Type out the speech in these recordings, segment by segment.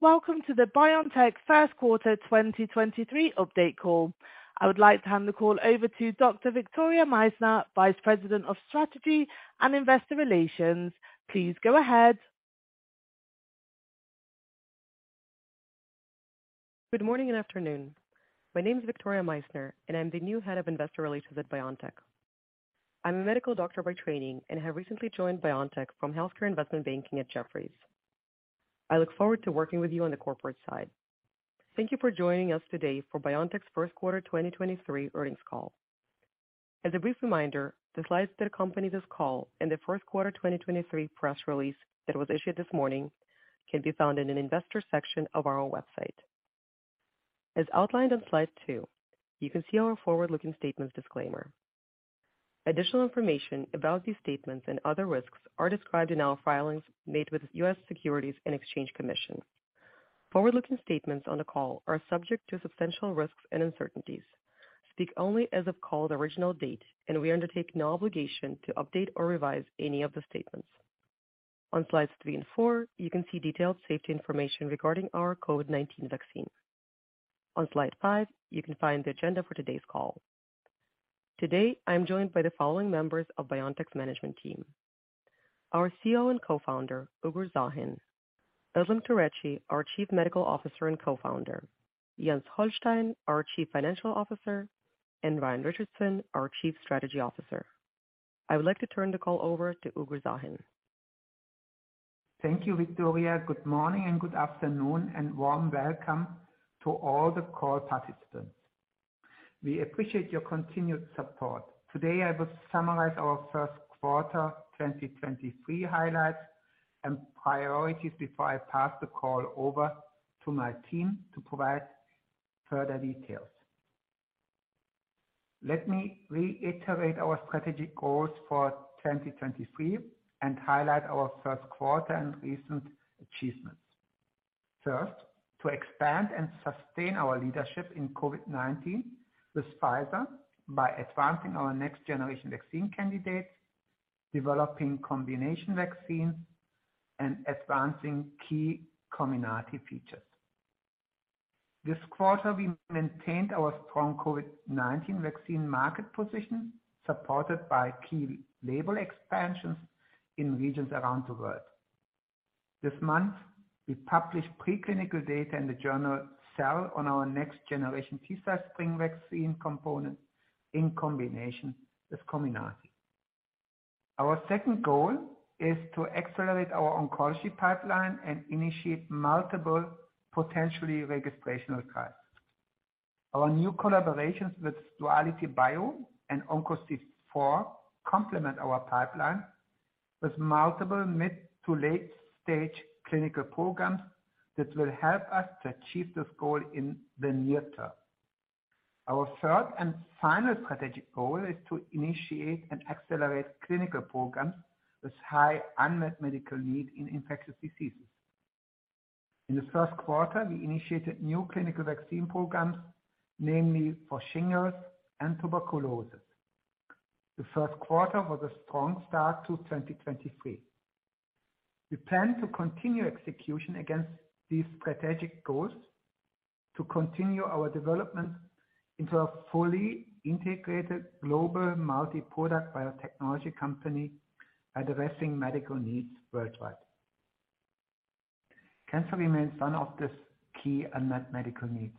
Welcome to the BioNTech First Quarter 2023 Update Call. I would like to hand the call over to Dr. Victoria Meissner, Vice President of Strategy and Investor Relations. Please go ahead. Good morning and afternoon. My name is Victoria Meissner. I'm the new Head of Investor Relations at BioNTech. I'm a medical doctor by training. I have recently joined BioNTech from healthcare investment banking at Jefferies. I look forward to working with you on the corporate side. Thank you for joining us today for BioNTech's First Quarter 2023 Earnings Call. As a brief reminder, the slides that accompany this call and the first quarter 2023 press release that was issued this morning can be found in an investor section of our website. As outlined on slide two, you can see our forward-looking statements disclaimer. Additional information about these statements and other risks are described in our filings made with the U.S. Securities and Exchange Commission. Forward-looking statements on the call are subject to substantial risks and uncertainties, speak only as of call's original date, and we undertake no obligation to update or revise any of the statements. On slides three and four, you can see detailed safety information regarding our COVID-19 vaccine. On slide five, you can find the agenda for today's call. Today, I'm joined by the following members of BioNTech's management team. Our CEO and Co-founder, Ugur Sahin, Özlem Tureci, our Chief Medical Officer and Co-founder, Jens Holstein, our Chief Financial Officer, and Ryan Richardson, our Chief Strategy Officer. I would like to turn the call over to Ugur Sahin. Thank you, Victoria. Good morning and good afternoon, warm welcome to all the call participants. We appreciate your continued support. Today, I will summarize our first quarter 2023 highlights and priorities before I pass the call over to my team to provide further details. Let me reiterate our strategic goals for 2023 and highlight our first quarter and recent achievements. First, to expand and sustain our leadership in COVID-19 with Pfizer by advancing our next generation vaccine candidates, developing combination vaccines, and advancing key Comirnaty features. This quarter, we maintained our strong COVID-19 vaccine market position, supported by key label expansions in regions around the world. This month, we published preclinical data in the journal Cell on our next generation T-cell-engaging vaccine component in combination with Comirnaty. Our second goal is to accelerate our oncology pipeline and initiate multiple potentially registrational trials. Our new collaborations with DualityBio and OncoC4 complement our pipeline with multiple mid to late-stage clinical programs that will help us to achieve this goal in the near term. Our third and final strategic goal is to initiate and accelerate clinical programs with high unmet medical need in infectious diseases. In the first quarter, we initiated new clinical vaccine programs, namely for shingles and tuberculosis. The first quarter was a strong start to 2023. We plan to continue execution against these strategic goals to continue our development into a fully integrated global multi-product biotechnology company addressing medical needs worldwide. Cancer remains one of these key unmet medical needs.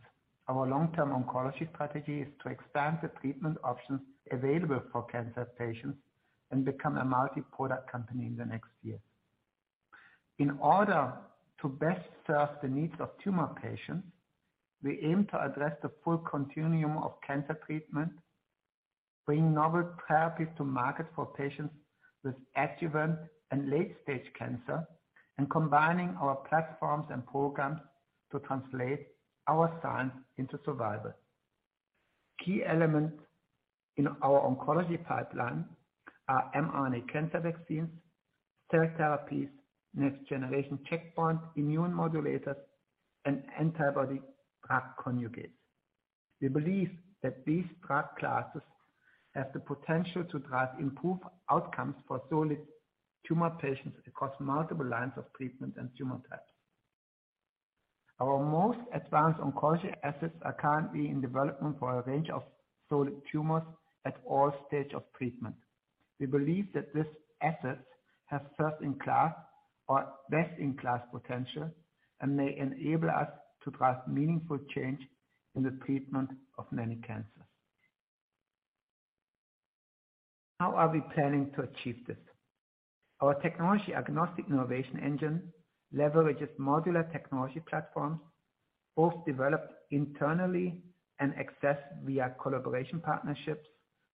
Our long-term oncology strategy is to expand the treatment options available for cancer patients and become a multi-product company in the next year. In order to best serve the needs of tumor patients, we aim to address the full continuum of cancer treatment, bring novel therapies to market for patients with adjuvant and late-stage cancer, and combining our platforms and programs to translate our science into survival. Key elements in our oncology pipeline are mRNA cancer vaccines, cell therapies, next generation checkpoint immune modulators, and antibody drug conjugates. We believe that these drug classes have the potential to drive improved outcomes for solid tumor patients across multiple lines of treatment and tumor types. Our most advanced oncology assets are currently in development for a range of solid tumors at all stages of treatment. We believe that these assets have first in class or best in class potential and may enable us to drive meaningful change in the treatment of many cancers. How are we planning to achieve this? Our technology agnostic innovation engine leverages modular technology platforms, both developed internally and accessed via collaboration partnerships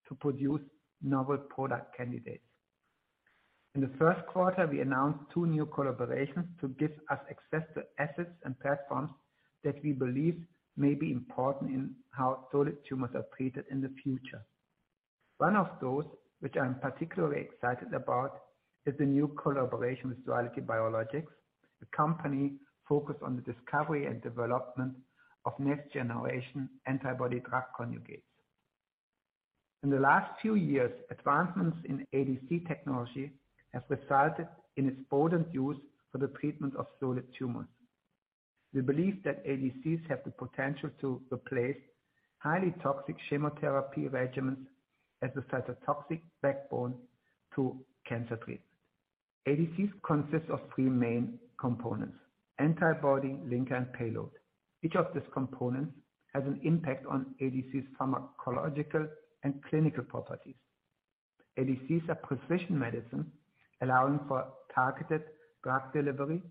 to produce novel product candidates. In the first quarter, we announced two new collaborations to give us access to assets and platforms that we believe may be important in how solid tumors are treated in the future. One of those, which I'm particularly excited about, is the new collaboration with Duality Biologics, a company focused on the discovery and development of next generation antibody-drug conjugates. In the last few years, advancements in ADC technology have resulted in its potent use for the treatment of solid tumors. We believe that ADCs have the potential to replace highly toxic chemotherapy regimens as a cytotoxic backbone to cancer treatment. ADCs consist of three main components: antibody, linker, and payload. Each of these components has an impact on ADCs pharmacological and clinical properties. ADCs are precision medicine allowing for targeted drug delivery,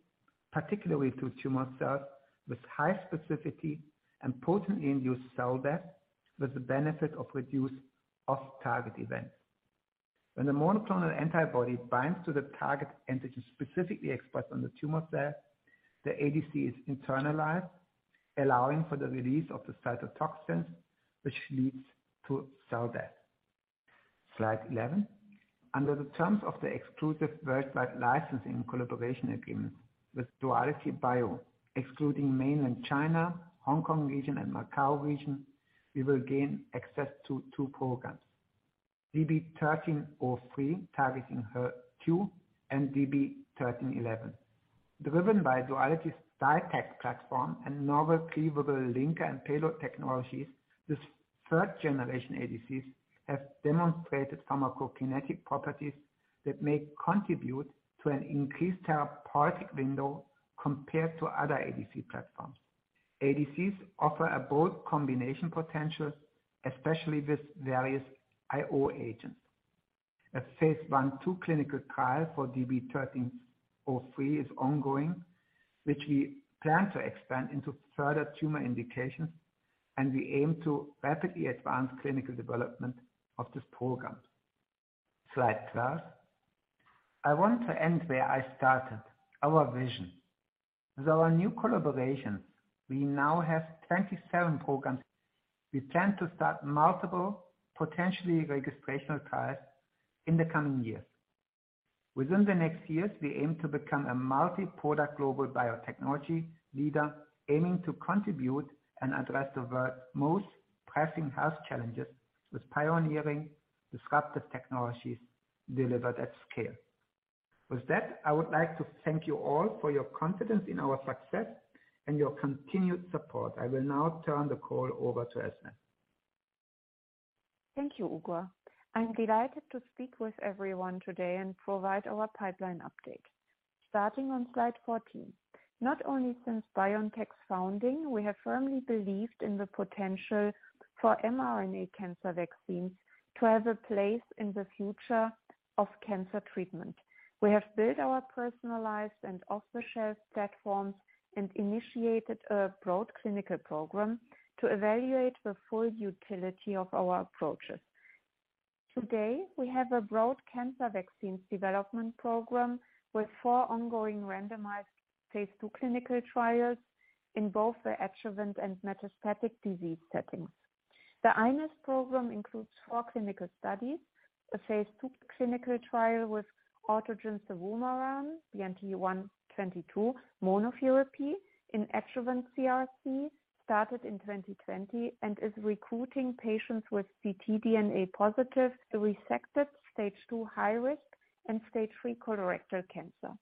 particularly to tumor cells with high specificity and potently induced cell death with the benefit of reduced off-target events. When the monoclonal antibody binds to the target antigen specifically expressed on the tumor cell, the ADC is internalized, allowing for the release of the cytotoxin, which leads to cell death. Slide 11. Under the terms of the exclusive worldwide licensing collaboration agreement with Duality Bio, excluding Mainland China, Hong Kong region, and Macau region, we will gain access to two programs. DB-1303, targeting HER2 and DB-1311. Driven by Duality's DITAC platform and novel cleavable linker and payload technologies, these third generation ADCs have demonstrated pharmacokinetic properties that may contribute to an increased therapeutic window compared to other ADC platforms. ADCs offer a broad combination potential, especially with various IO agents. phase I/II clinical trial for DB-1303 is ongoing, which we plan to expand into further tumor indications, and we aim to rapidly advance clinical development of this program. Slide 12. I want to end where I started, our vision. With our new collaborations, we now have 27 programs. We plan to start multiple potentially registrational trials in the coming years. Within the next years, we aim to become a multi-product global biotechnology leader, aiming to contribute and address the world's most pressing health challenges with pioneering disruptive technologies delivered at scale. With that, I would like to thank you all for your confidence in our success and your continued support. I will now turn the call over to Özlem. Thank you, Ugur. I'm delighted to speak with everyone today and provide our pipeline update. Starting on slide 14. Not only since BioNTech's founding, we have firmly believed in the potential for mRNA cancer vaccines to have a place in the future of cancer treatment. We have built our personalized and off-the-shelf platforms and initiated a broad clinical program to evaluate the full utility of our approaches. Today, we have a broad cancer vaccines development program with four ongoing randomized phase II clinical trials in both the adjuvant and metastatic disease settings. The iNeST program includes four clinical studies, a phase II clinical trial with autogene cevumeran BNT122 monotherapy in adjuvant CRC started in 2020 and is recruiting patients with CTDNA positive resected stage 2 high risk and stage 3 colorectal cancer.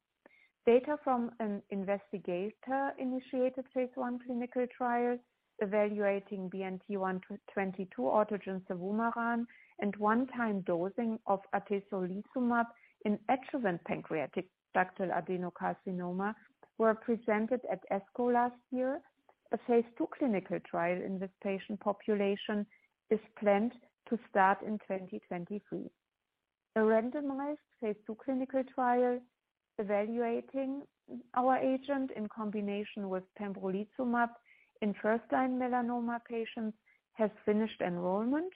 Data from an investigator-initiated phase I clinical trial evaluating BNT122 autogene cevumeran and one-time dosing of atezolizumab in adjuvant pancreatic ductal adenocarcinoma were presented at ASCO last year. A phase II clinical trial in this patient population is planned to start in 2023. A randomized phase II clinical trial evaluating our agent in combination with pembrolizumab in first-line melanoma patients has finished enrollment.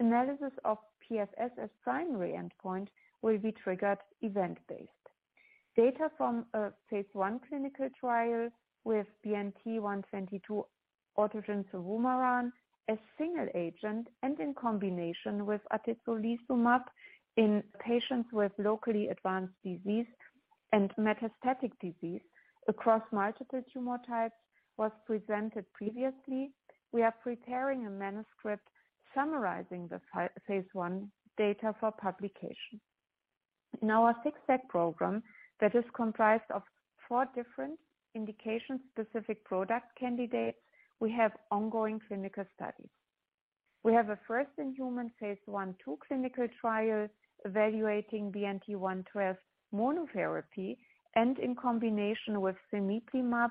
Analysis of PFS as primary endpoint will be triggered event-based. Data from a phase I clinical trial with BNT122 autogene cevumeran, a single agent, and in combination with atezolizumab in patients with locally advanced disease and metastatic disease across multiple tumor types was presented previously. We are preparing a manuscript summarizing the phase I data for publication. In our six step program that is comprised of four different indication-specific product candidates, we have ongoing clinical studies. We have a first-in-human phase I/II clinical trial evaluating BNT112 monotherapy and in combination with cemiplimab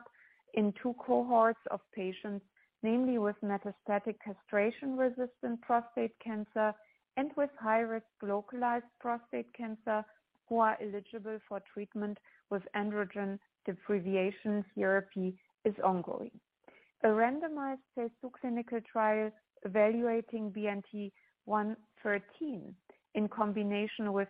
in two cohorts of patients, namely with metastatic castration-resistant prostate cancer and with high-risk localized prostate cancer who are eligible for treatment with androgen deprivation therapy is ongoing. A randomized phase II clinical trial evaluating BNT113 in combination with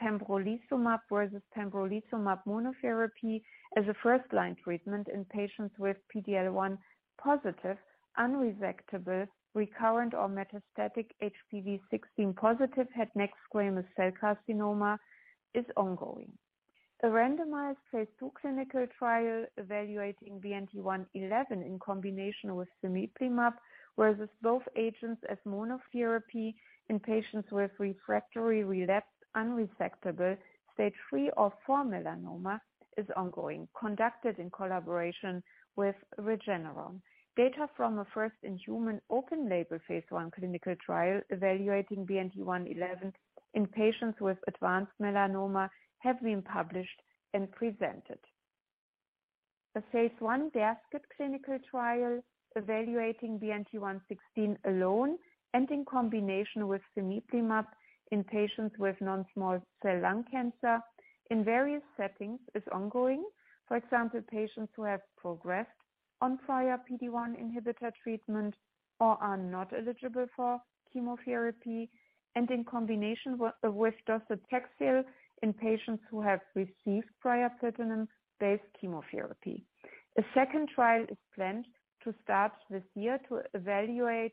pembrolizumab versus pembrolizumab monotherapy as a first-line treatment in patients with PDL1 positive unresectable, recurrent, or metastatic HPV16-positive head and neck squamous cell carcinoma is ongoing. A randomized phase II clinical trial evaluating BNT111 in combination with cemiplimab, whereas both agents as monotherapy in patients with refractory relapsed unresectable stage 3 or 4 melanoma is ongoing, conducted in collaboration with Regeneron. Data from a first-in-human open label phase I clinical trial evaluating BNT111 in patients with advanced melanoma have been published and presented. The phase I basket clinical trial evaluating BNT116 alone and in combination with cemiplimab in patients with non-small cell lung cancer in various settings is ongoing. For example, patients who have progressed on prior PD-1 inhibitor treatment or are not eligible for chemotherapy and in combination with docetaxel in patients who have received prior platinum-based chemotherapy. A second trial is planned to start this year to evaluate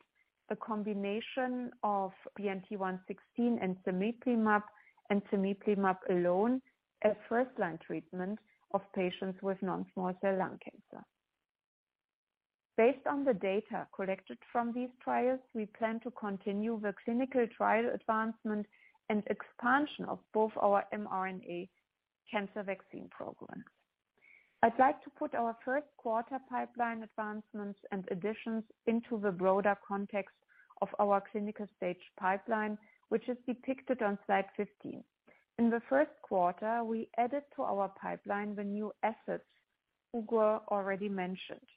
the combination of BNT116 and cemiplimab and cemiplimab alone as first-line treatment of patients with non-small cell lung cancer. Based on the data collected from these trials, we plan to continue the clinical trial advancement and expansion of both our mRNA cancer vaccine programs. I'd like to put our first quarter pipeline advancements and additions into the broader context of our clinical stage pipeline, which is depicted on slide 15. In the first quarter, we added to our pipeline the new assets Ugur already mentioned.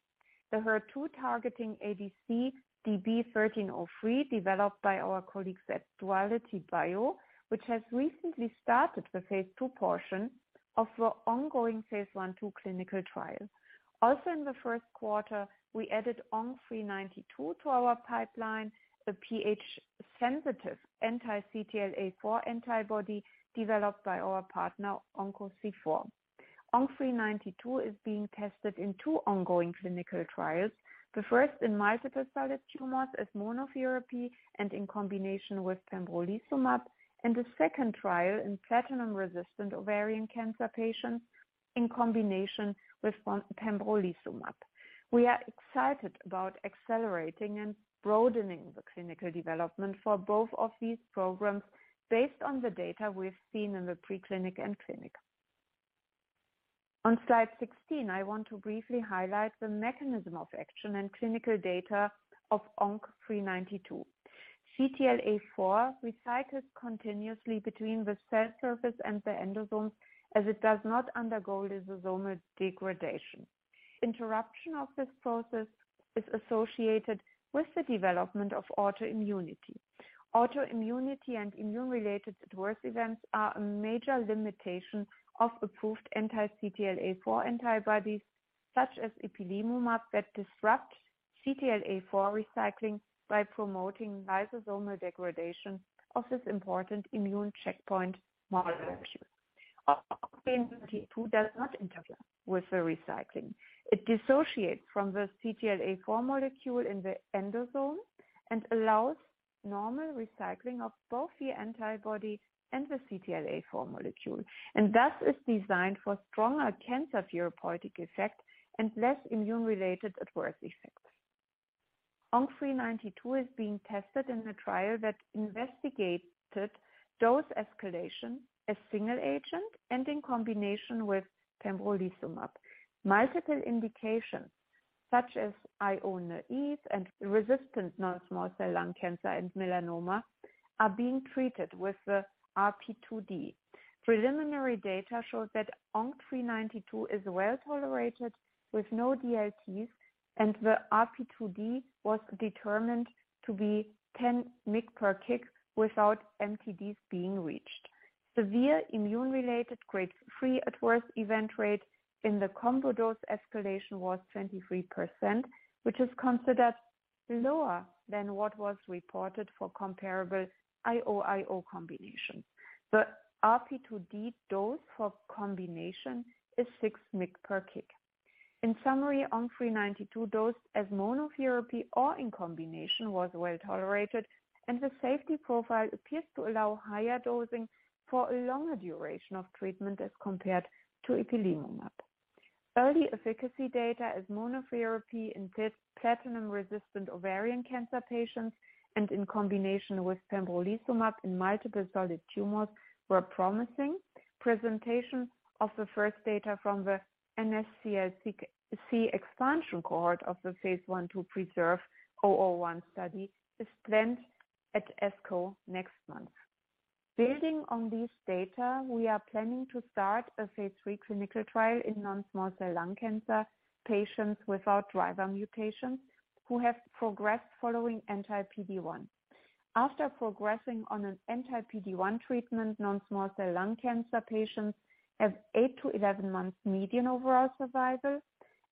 The HER2-targeting ADC DB-1303, developed by our colleagues at DualityBio, which has recently started the phase two portion of the ongoing phase one two clinical trial. Also in the first quarter, we added ONC-392 to our pipeline, the pH-sensitive anti-CTLA-4 antibody developed by our partner, OncoC4. ONC-392 is being tested in two ongoing clinical trials. The first in multiple solid tumors as monotherapy and in combination with pembrolizumab, and the second trial in platinum-resistant ovarian cancer patients in combination with pembrolizumab. We are excited about accelerating and broadening the clinical development for both of these programs based on the data we've seen in the preclinical and clinical. On slide 16, I want to briefly highlight the mechanism of action and clinical data of ONC-392. CTLA-4 recycles continuously between the cell surface and the endosome, as it does not undergo lysosomal degradation. Interruption of this process is associated with the development of autoimmunity. Autoimmunity and immune-related adverse events are a major limitation of approved anti-CTLA-4 antibodies such as ipilimumab that disrupts CTLA-4 recycling by promoting lysosomal degradation of this important immune checkpoint molecule. ONC-392 does not interfere with the recycling. It dissociates from the CTLA-4 molecule in the endosome and allows normal recycling of both the antibody and the CTLA-4 molecule, thus is designed for stronger cancer therapeutic effect and less immune-related adverse effects. ONC-392 is being tested in a trial that investigated dose escalation as single agent and in combination with pembrolizumab. Multiple indications such as IO naive and resistant non-small cell lung cancer and melanoma are being treated with the RP2D. Preliminary data showed that ONC-392 is well-tolerated with no DLTs, and the RP2D was determined to be 10 mg per kg without MTDs being reached. Severe immune-related grade 3 adverse event rate in the combo dose escalation was 23%, which is considered lower than what was reported for comparable IO/IO combinations. The RP2D dose for combination is 6 mg per kg. In summary, ONC-392 dose as monotherapy or in combination was well-tolerated, and the safety profile appears to allow higher dosing for a longer duration of treatment as compared to ipilimumab. Early efficacy data as monotherapy in platinum-resistant ovarian cancer patients and in combination with pembrolizumab in multiple solid tumors were promising. Presentation of the first data from the NSCLC expansion cohort of phase I/II preserve-001 study is planned at ASCO next month. Building on these data, we are planning to start a phase III clinical trial in non-small cell lung cancer patients without driver mutations who have progressed following anti-PD-1. After progressing on an anti-PD-1 treatment, non-small cell lung cancer patients have eight to 11 months median overall survival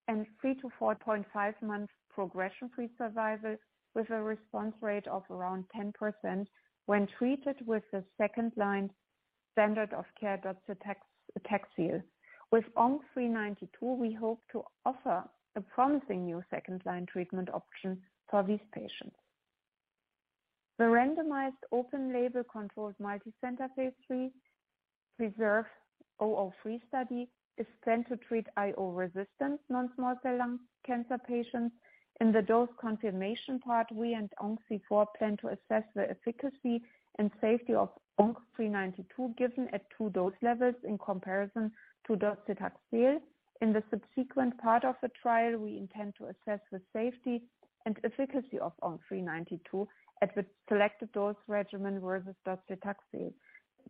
and 3-4.5 months progression-free survival with a response rate of around 10% when treated with the second-line standard of care docetaxel. With ONC-392, we hope to offer a promising new second line treatment option for these patients. The randomized open label controlled multicenter phase III PRESERVE-003 study is planned to treat IO-resistant non-small cell lung cancer patients. In the dose confirmation part, we and OncoC4 plan to assess the efficacy and safety of ONC-392, given at two dose levels in comparison to docetaxel. In the subsequent part of the trial, we intend to assess the safety and efficacy of ONC-392 at the selected dose regimen versus docetaxel.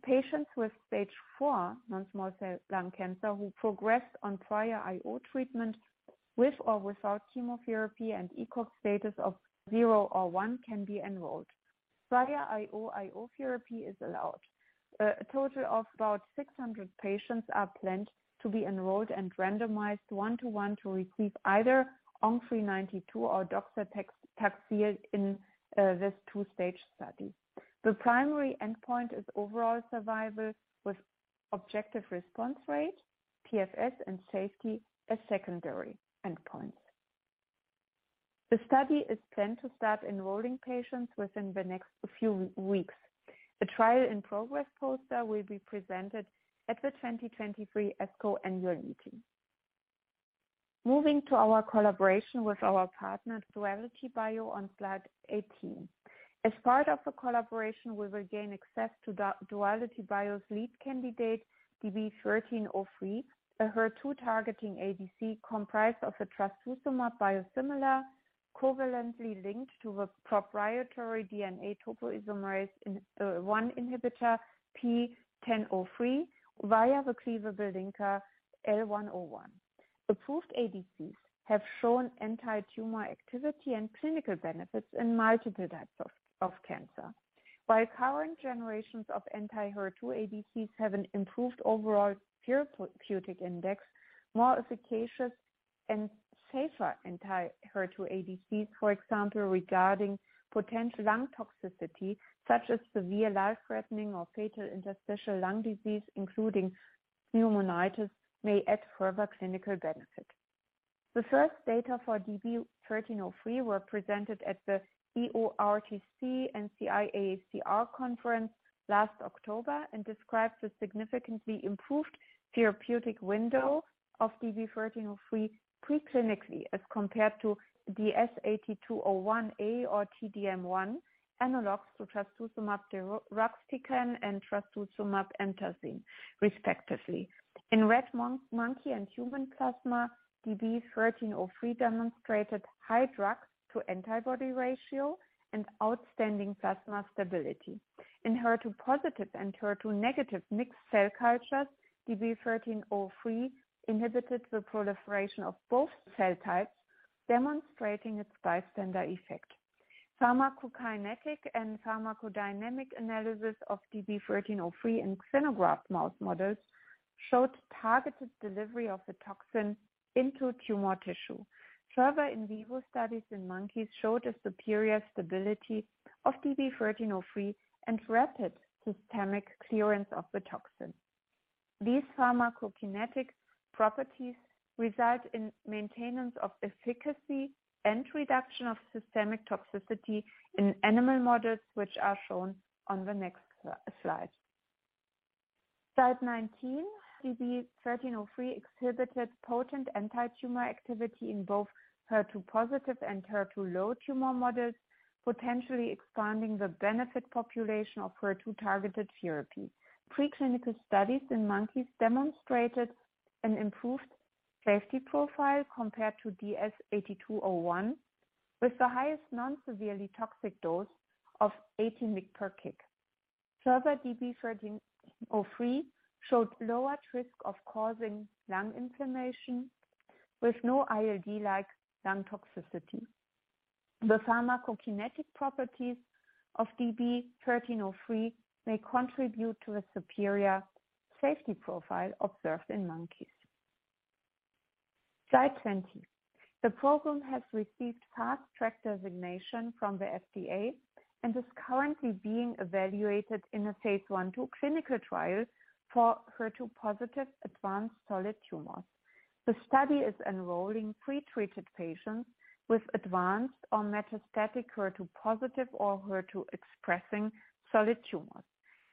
Patients with stage 4 non-small cell lung cancer who progressed on prior IO treatment with or without chemotherapy and ECOG status of 0 or 1 can be enrolled. Prior IO therapy is allowed. A total of about 600 patients are planned to be enrolled and randomized 1 to 1 to receive either ONC-392 or docetaxel in this two-stage study. The primary endpoint is overall survival with objective response rate, PFS and safety as secondary endpoints. The study is planned to start enrolling patients within the next few weeks. The trial in progress poster will be presented at the 2023 ASCO annual meeting. Moving to our collaboration with our partner DualityBio on slide 18. As part of the collaboration, we will gain access to Duality Bio's lead candidate, DB-1303, a HER2 targeting ADC comprised of a trastuzumab biosimilar covalently linked to a proprietary DNA topoisomerase one inhibitor P1003 via the cleavable linker L101. Approved ADCs have shown anti-tumor activity and clinical benefits in multiple types of cancer. While current generations of anti-HER2 ADCs have an improved overall therapeutic index, more efficacious and safer anti-HER2 ADCs, for example, regarding potential lung toxicity such as severe life-threatening or fatal interstitial lung disease including pneumonitis, may add further clinical benefit. The first data for DB-1303 were presented at the EORTC-NCI-AACR conference last October and describes the significantly improved therapeutic window of DB-1303 pre-clinically as compared to DS-8201a or T-DM1 analogs to trastuzumab deruxtecan and trastuzumab emtansine respectively. In rhesus monkey and human plasma, DB-1303 demonstrated high drug-to-antibody ratio and outstanding plasma stability. In HER2-positive and HER2-negative mixed cell cultures, DB-1303 inhibited the proliferation of both cell types, demonstrating its bystander effect. Pharmacokinetic and pharmacodynamic analysis of DB-1303 in xenograft mouse models showed targeted delivery of the toxin into tumor tissue. Further in vivo studies in monkeys showed a superior stability of DB-1303 and rapid systemic clearance of the toxin. These pharmacokinetic properties result in maintenance of efficacy and reduction of systemic toxicity in animal models which are shown on the next slide. Slide 19. DB-1303 exhibited potent anti-tumor activity in both HER2-positive and HER2-low tumor models, potentially expanding the benefit population of HER2-targeted therapy. Preclinical studies in monkeys demonstrated an improved safety profile compared to DS-8201, with the highest non-severely toxic dose of 18 mg/kg. DB-1303 showed lower risk of causing lung inflammation with no ILD like lung toxicity. The pharmacokinetic properties of DB-1303 may contribute to a superior safety profile observed in monkeys. Slide 20. The program has received Fast Track designation from the FDA and is currently being evaluated in phase I/II clinical trial for HER2 positive advanced solid tumors. The study is enrolling pre-treated patients with advanced or metastatic HER2 positive or HER2 expressing solid tumors.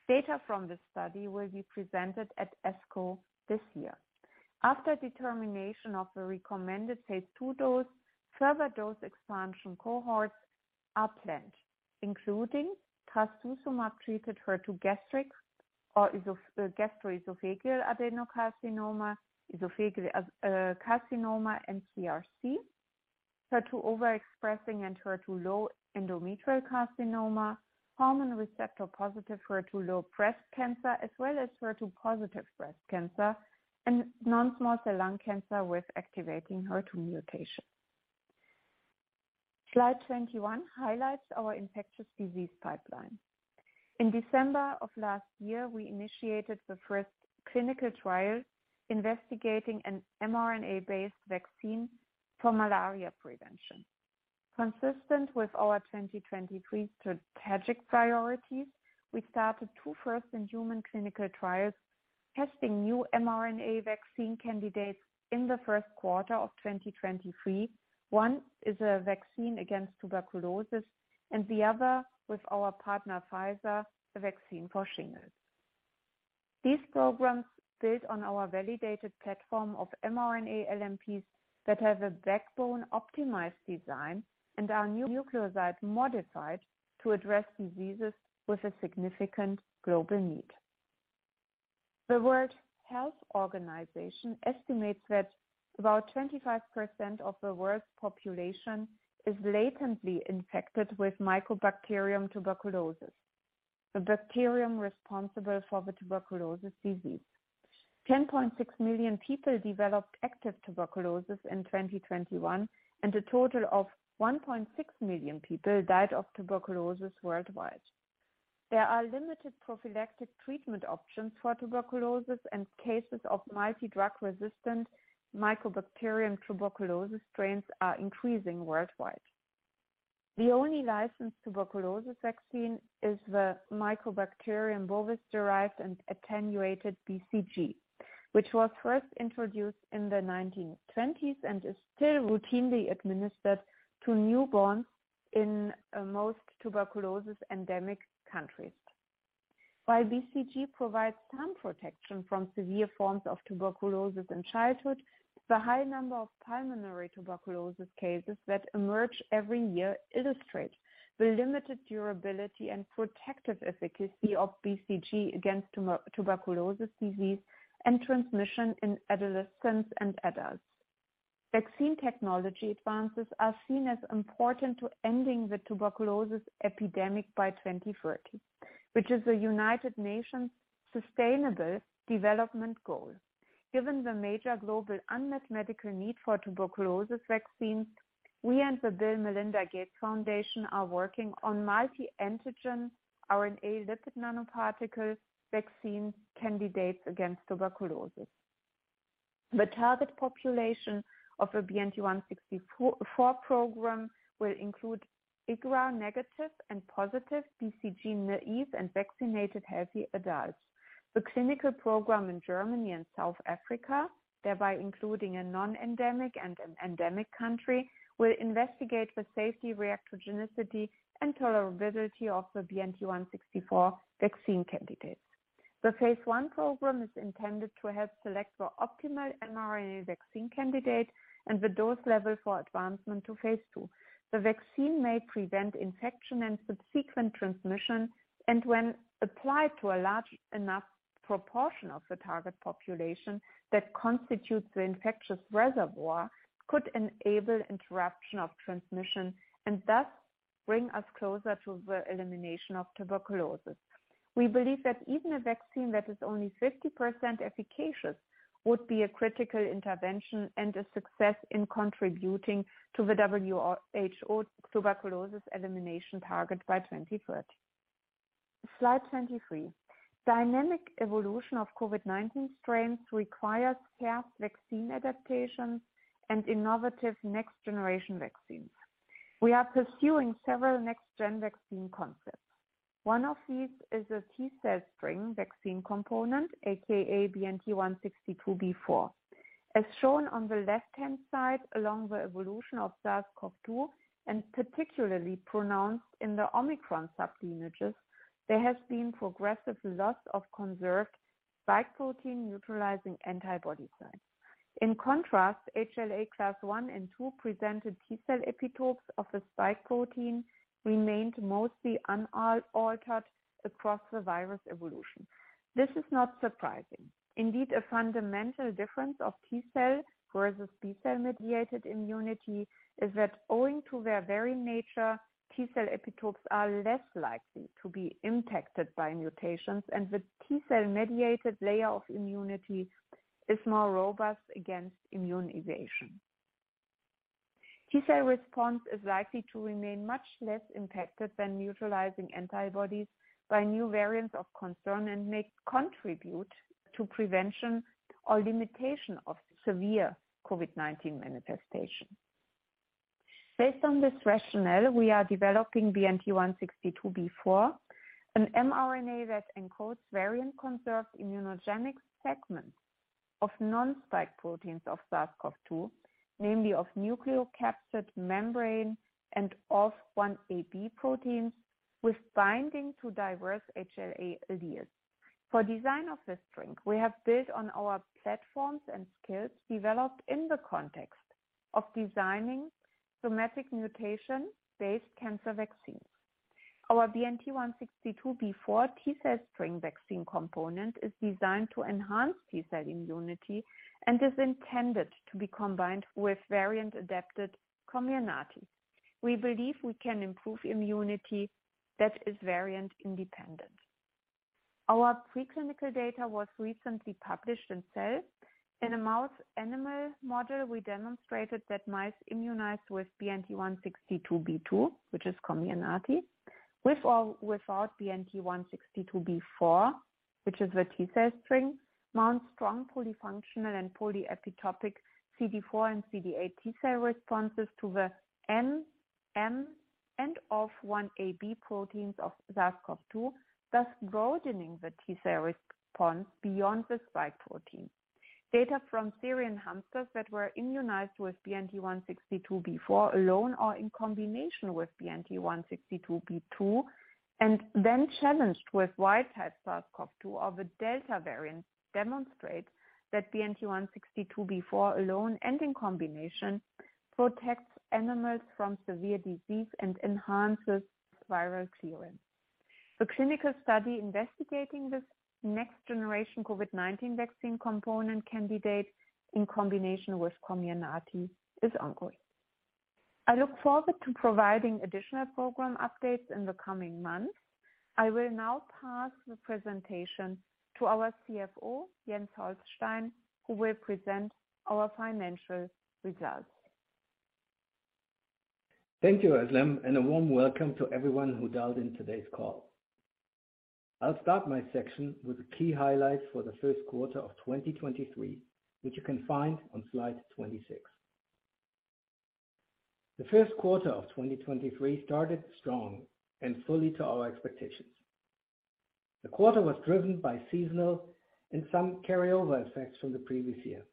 Data from this study will be presented at ASCO this year. After determination of the recommended phase II dose, further dose expansion cohorts are planned, including trastuzumab-treated HER2 gastric or gastroesophageal adenocarcinoma, esophageal carcinoma and CRC, HER2 overexpressing and HER2 low endometrial carcinoma, hormone receptor-positive HER2 low breast cancer, as well as HER2 positive breast cancer and non-small cell lung cancer with activating HER2 mutations. Slide 21 highlights our infectious disease pipeline. In December of last year, we initiated the first clinical trial investigating an mRNA-based vaccine for malaria prevention. Consistent with our 2023 strategic priorities, we started two first-in-human clinical trials testing new mRNA vaccine candidates in the first quarter of 2023. One is a vaccine against tuberculosis and the other with our partner, Pfizer, a vaccine for shingles. These programs build on our validated platform of mRNA LNPs that have a backbone optimized design and are nucleoside modified to address diseases with a significant global need. The World Health Organization estimates that about 25% of the world's population is latently infected with Mycobacterium tuberculosis, the bacterium responsible for the tuberculosis disease. 10.6 million people developed active tuberculosis in 2021. A total of 1.6 million people died of tuberculosis worldwide. There are limited prophylactic treatment options for tuberculosis and cases of multi-drug resistant Mycobacterium tuberculosis strains are increasing worldwide. The only licensed tuberculosis vaccine is the Mycobacterium bovis derived and attenuated BCG, which was first introduced in the 1920s and is still routinely administered to newborns in most tuberculosis endemic countries. While BCG provides some protection from severe forms of tuberculosis in childhood, the high number of pulmonary tuberculosis cases that emerge every year illustrate the limited durability and protective efficacy of BCG against tuberculosis disease and transmission in adolescents and adults. Vaccine technology advances are seen as important to ending the tuberculosis epidemic by 2030, which is the United Nations Sustainable Development Goal. Given the major global unmet medical need for tuberculosis vaccines, we and the Bill & Melinda Gates Foundation are working on multi-antigen RNA lipid nanoparticles vaccine candidates against tuberculosis. The target population of the BNT164 program will include IGRA negative and positive BCG naive and vaccinated healthy adults. The clinical program in Germany and South Africa, thereby including a non-endemic and an endemic country, will investigate the safety reactogenicity and tolerability of the BNT164 vaccine candidates. The phase I program is intended to help select for optimal mRNA vaccine candidate and the dose level for advancement to phase II. The vaccine may prevent infection and subsequent transmission, and when applied to a large enough proportion of the target population that constitutes the infectious reservoir, could enable interruption of transmission and thus bring us closer to the elimination of tuberculosis. We believe that even a vaccine that is only 50% efficacious would be a critical intervention and a success in contributing to the WHO tuberculosis elimination target by 2030. Slide 23. Dynamic evolution of COVID-19 strains requires care, vaccine adaptation and innovative next gen vaccines. We are pursuing several next gen vaccine concepts. One of these is a T-cell string vaccine component, aka BNT162b4. As shown on the left-hand side along the evolution of SARS-CoV-2 and particularly pronounced in the Omicron sub lineages, there has been progressive loss of conserved spike protein neutralizing antibody sites. In contrast, HLA class one and two presented T-cell epitopes of the spike protein remained mostly unaltered across the virus evolution. This is not surprising. Indeed, a fundamental difference of T-cell versus B-cell mediated immunity is that owing to their very nature, T-cell epitopes are less likely to be impacted by mutations, and the T-cell mediated layer of immunity is more robust against immune evasion. T-cell response is likely to remain much less impacted than neutralizing antibodies by new variants of concern and may contribute to prevention or limitation of severe COVID-19 manifestation. Based on this rationale, we are developing BNT162b4, an mRNA that encodes variant conserved immunogenic segments of non-spike proteins of SARS-CoV-2, namely of nucleocapsid membrane and ORF1ab protein with binding to diverse HLA alleles. For design of this string, we have built on our platforms and skills developed in the context of designing somatic mutation based cancer vaccines. Our BNT162b4 T-cell string vaccine component is designed to enhance T-cell immunity and is intended to be combined with variant adapted Comirnaty. We believe we can improve immunity that is variant independent. Our preclinical data was recently published in Cell. In a mouse animal model, we demonstrated that mice immunized with BNT162b2, which is Comirnaty, with or without BNT162b4, which is the T-cell string, mount strong polyfunctional and polyepitopic CD4 and CD8 T-cell responses to the N and ORF1ab proteins of SARS-CoV-2, thus broadening T-cell response beyond the spike protein. Data from Syrian hamsters that were immunized with BNT162b4 alone or in combination with BNT162b2 and then challenged with wild type SARS-CoV-2 of a Delta variant demonstrate that BNT162b4 alone and in combination protects animals from severe disease and enhances viral clearance. The clinical study investigating this next generation COVID-19 vaccine component candidate in combination with Comirnaty is ongoing. I look forward to providing additional program updates in the coming months. I will now pass the presentation to our CFO, Jens Holstein, who will present our financial results. Thank you, Özlem, a warm welcome to everyone who dialed in today's call. I'll start my section with the key highlights for the first quarter of 2023, which you can find on slide 26. The first quarter of 2023 started strong and fully to our expectations. The quarter was driven by seasonal and some carry-over effects from the previous year.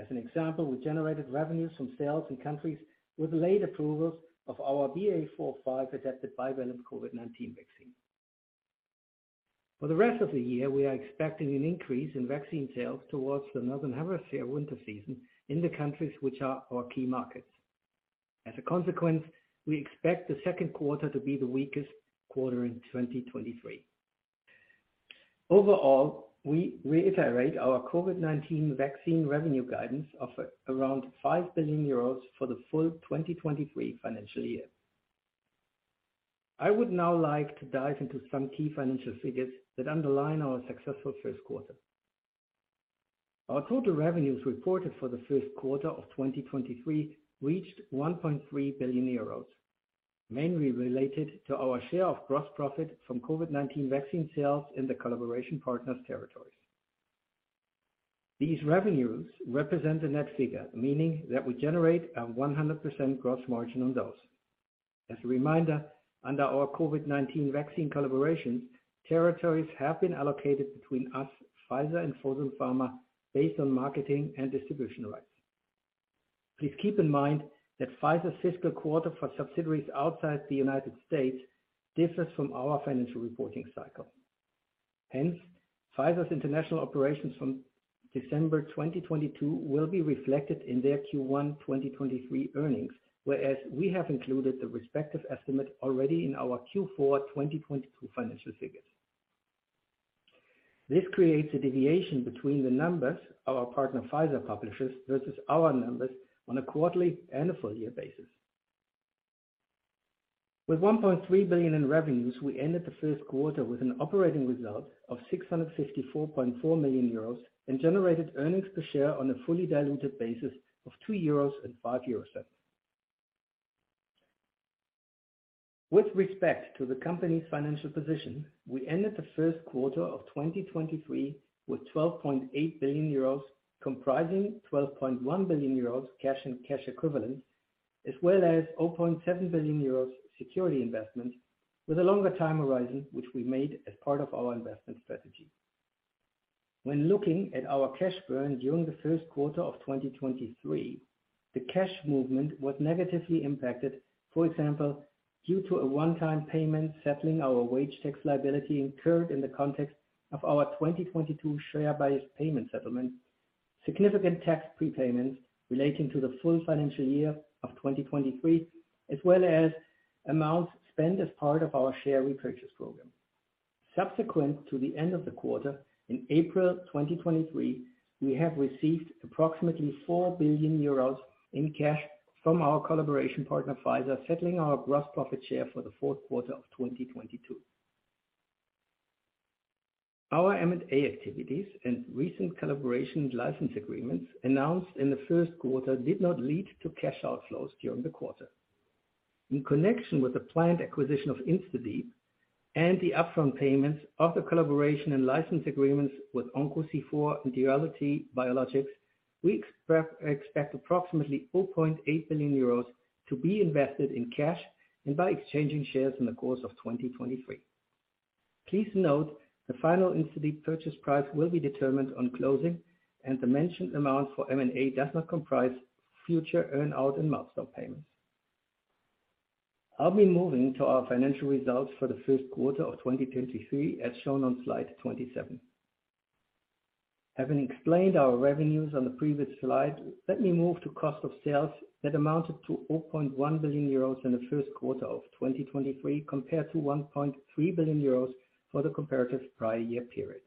As an example, we generated revenues from sales in countries with late approvals of our BA.4/5 adapted bivalent COVID-19 vaccine. For the rest of the year, we are expecting an increase in vaccine sales towards the Northern Hemisphere winter season in the countries which are our key markets. As a consequence, we expect the second quarter to be the weakest quarter in 2023. Overall, we reiterate our COVID-19 vaccine revenue guidance of around 5 billion euros for the full 2023 financial year. I would now like to dive into some key financial figures that underline our successful first quarter. Our total revenues reported for the first quarter of 2023 reached 1.3 billion euros, mainly related to our share of gross profit from COVID-19 vaccine sales in the collaboration partners territories. These revenues represent the net figure, meaning that we generate a 100% gross margin on those. As a reminder, under our COVID-19 vaccine collaboration, territories have been allocated between us, Pfizer and Fosun Pharma based on marketing and distribution rights. Please keep in mind that Pfizer's fiscal quarter for subsidiaries outside the United States differs from our financial reporting cycle. Hence, Pfizer's international operations from December 2022 will be reflected in their Q1 2023 earnings, whereas we have included the respective estimate already in our Q4 2022 financial figures. This creates a deviation between the numbers our partner Pfizer publishes versus our numbers on a quarterly and a full year basis. With 1.3 billion in revenues, we ended the first quarter with an operating result of 654.4 million euros and generated earnings per share on a fully diluted basis of 2.05 euros. With respect to the company's financial position, we ended the first quarter of 2023 with 12.8 billion euros, comprising 12.1 billion euros cash and cash equivalents, as well as 0.7 billion euros security investment with a longer time horizon, which we made as part of our investment strategy. When looking at our cash burn during the first quarter of 2023, the cash movement was negatively impacted, for example, due to a one-time payment settling our wage tax liability incurred in the context of our 2022 share buyback payment settlement, significant tax prepayments relating to the full financial year of 2023, as well as amounts spent as part of our share repurchase program. Subsequent to the end of the quarter, in April 2023, we have received approximately 4 billion euros in cash from our collaboration partner, Pfizer, settling our gross profit share for the fourth quarter of 2022. Our M&A activities and recent collaboration license agreements announced in the first quarter did not lead to cash outflows during the quarter. In connection with the planned acquisition of InstaDeep and the upfront payments of the collaboration and license agreements with OncoC4 and Duality Biologics, we expect approximately 4.8 billion euros to be invested in cash and by exchanging shares in the course of 2023. Please note the final InstaDeep purchase price will be determined on closing, and the mentioned amount for M&A does not comprise future earn-out and milestone payments. I'll be moving to our financial results for the first quarter of 2023, as shown on slide 27. Having explained our revenues on the previous slide, let me move to cost of sales that amounted to 4.1 billion euros in the first quarter of 2023, compared to 1.3 billion euros for the comparative prior year period.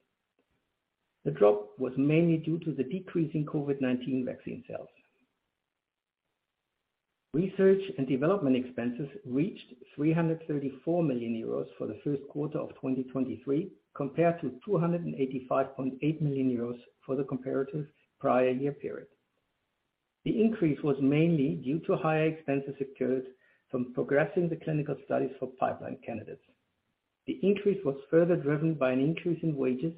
The drop was mainly due to the decrease in COVID-19 vaccine sales. Research and development expenses reached 334 million euros for the first quarter of 2023, compared to 285.8 million euros for the comparative prior year period. The increase was mainly due to higher expenses incurred from progressing the clinical studies for pipeline candidates. The increase was further driven by an increase in wages,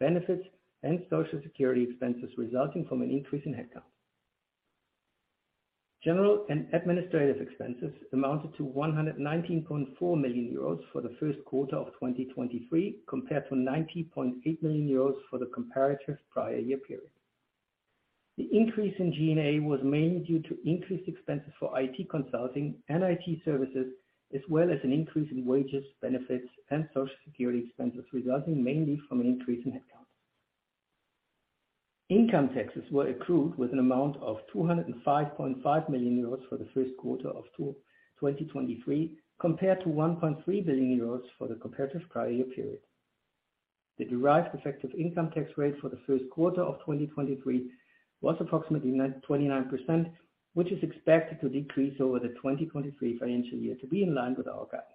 benefits and Social Security expenses resulting from an increase in headcount. General and administrative expenses amounted to 119.4 million euros for the first quarter of 2023, compared to 90.8 million euros for the comparative prior year period. The increase in G&A was mainly due to increased expenses for IT consulting and IT services, as well as an increase in wages, benefits and Social Security expenses, resulting mainly from an increase in headcount. Income taxes were accrued with an amount of 205.5 million euros for the first quarter of 2023, compared to 1.3 billion euros for the comparative prior-year period. The derived effective income tax rate for the first quarter of 2023 was approximately 29%, which is expected to decrease over the 2023 financial year to be in line with our guidance.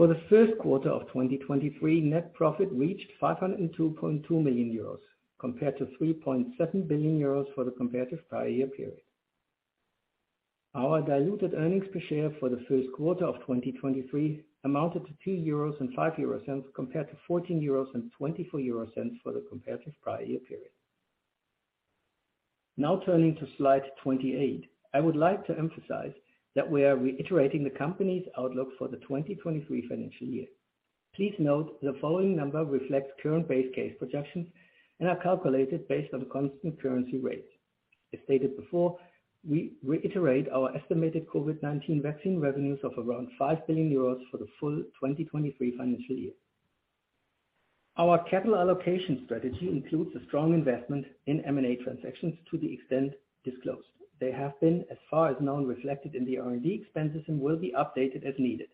For the first quarter of 2023, net profit reached 502.2 million euros compared to 3.7 billion euros for the comparative prior-year period. Our diluted earnings per share for the first quarter of 2023 amounted to 2.05 euros compared to 14.24 euros for the comparative prior-year period. Now turning to slide 28, I would like to emphasize that we are reiterating the company's outlook for the 2023 financial year. Please note the following number reflects current base case projections and are calculated based on constant currency rates. As stated before, we reiterate our estimated COVID-19 vaccine revenues of around 5 billion euros for the full 2023 financial year. Our capital allocation strategy includes a strong investment in M&A transactions to the extent disclosed. They have been, as far as known, reflected in the R&D expenses and will be updated as needed.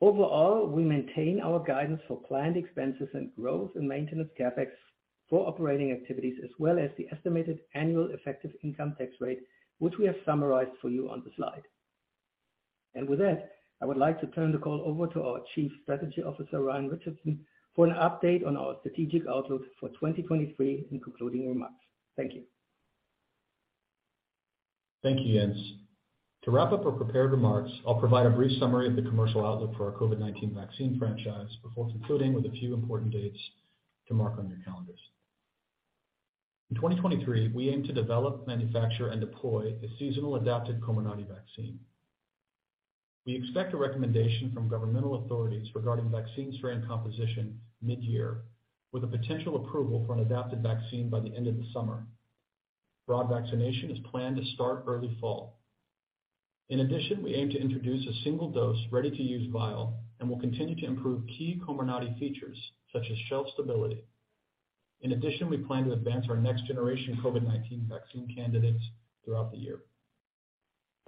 Overall, we maintain our guidance for planned expenses and growth and maintenance CapEx for operating activities, as well as the estimated annual effective income tax rate, which we have summarized for you on the slide. With that, I would like to turn the call over to our Chief Strategy Officer, Ryan Richardson, for an update on our strategic outlook for 2023 and concluding remarks. Thank you. Thank you, Jens. To wrap up our prepared remarks, I'll provide a brief summary of the commercial outlook for our COVID-19 vaccine franchise before concluding with a few important dates to mark on your calendars. In 2023, we aim to develop, manufacture, and deploy a seasonal adapted Comirnaty vaccine. We expect a recommendation from governmental authorities regarding vaccine strain composition mid-year, with a potential approval for an adapted vaccine by the end of the summer. Broad vaccination is planned to start early fall. In addition, we aim to introduce a single dose ready-to-use vial and will continue to improve key Comirnaty features such as shelf stability. In addition, we plan to advance our next generation COVID-19 vaccine candidates throughout the year.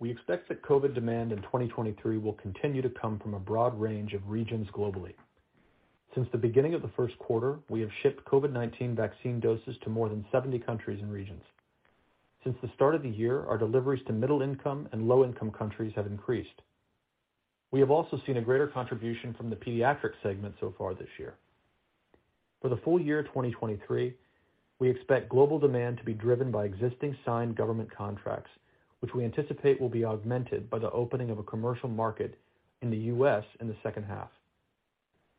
We expect that COVID demand in 2023 will continue to come from a broad range of regions globally. Since the beginning of the first quarter, we have shipped COVID-19 vaccine doses to more than 70 countries and regions. Since the start of the year, our deliveries to middle-income and low-income countries have increased. We have also seen a greater contribution from the pediatric segment so far this year. For the full year 2023, we expect global demand to be driven by existing signed government contracts, which we anticipate will be augmented by the opening of a commercial market in the US in the second half.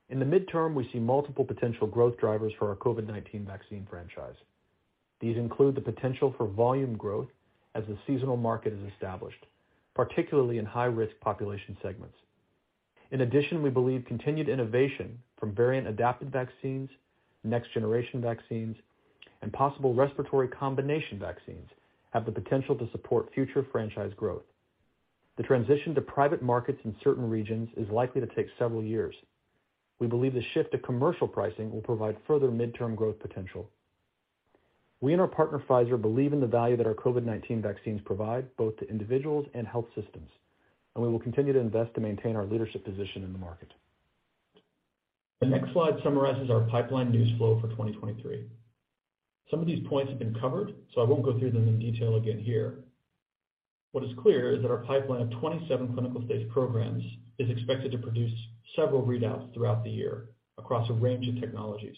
In the midterm, we see multiple potential growth drivers for our COVID-19 vaccine franchise. These include the potential for volume growth as the seasonal market is established, particularly in high-risk population segments. In addition, we believe continued innovation from variant-adapted vaccines, next generation vaccines, and possible respiratory combination vaccines have the potential to support future franchise growth. The transition to private markets in certain regions is likely to take several years. We believe the shift to commercial pricing will provide further midterm growth potential. We and our partner, Pfizer, believe in the value that our COVID-19 vaccines provide both to individuals and health systems. We will continue to invest to maintain our leadership position in the market. The next slide summarizes our pipeline news flow for 2023. Some of these points have been covered. I won't go through them in detail again here. What is clear is that our pipeline of 27 clinical stage programs is expected to produce several readouts throughout the year across a range of technologies.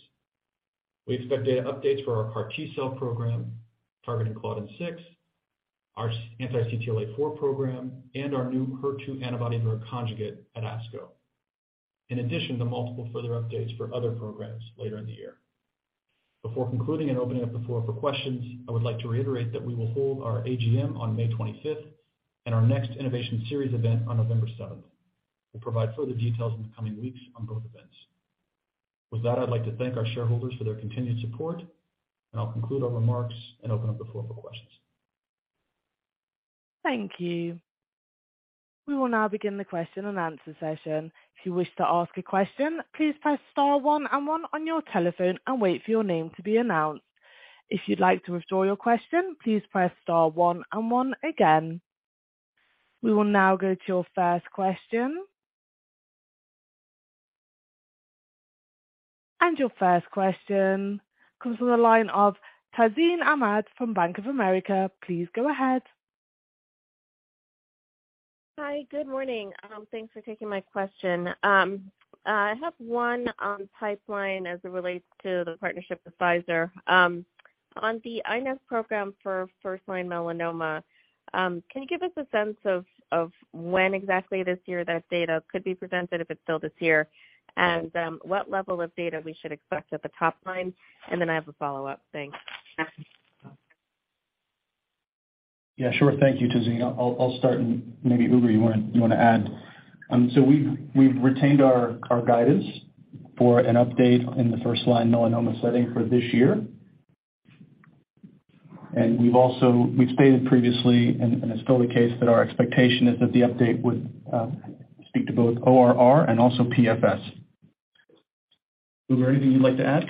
We expect data updates for our car-T-cell program targeting Claudin-6, our anti-CTLA-4 program, and our new HER2 antibody-drug conjugate at ASCO, in addition to multiple further updates for other programs later in the year. Before concluding and opening up the floor for questions, I would like to reiterate that we will hold our AGM on May 25th and our next Innovation Series event on November 7th. We'll provide further details in the coming weeks on both events. With that, I'd like to thank our shareholders for their continued support, and I'll conclude our remarks and open up the floor for questions. Thank you. We will now begin the question-and-answer session. If you wish to ask a question, please press star one and one on your telephone and wait for your name to be announced. If you'd like to withdraw your question, please press star one and one again. We will now go to your first question. Your first question comes from the line of Tazeen Ahmad from Bank of America. Please go ahead. Hi. Good morning. Thanks for taking my question. I have one on pipeline as it relates to the partnership with Pfizer. On the iNeST program for first-line melanoma, can you give us a sense of when exactly this year that data could be presented, if it's still this year, and what level of data we should expect at the top line? Then I have a follow-up. Thanks. Yeah, sure. Thank you, Tazeen. I'll start and maybe, Ugur, you want to add. So we've retained our guidance for an update in the first line melanoma setting for this year. We've also stated previously, and it's still the case, that our expectation is that the update would speak to both ORR and also PFS. Ugur, anything you'd like to add?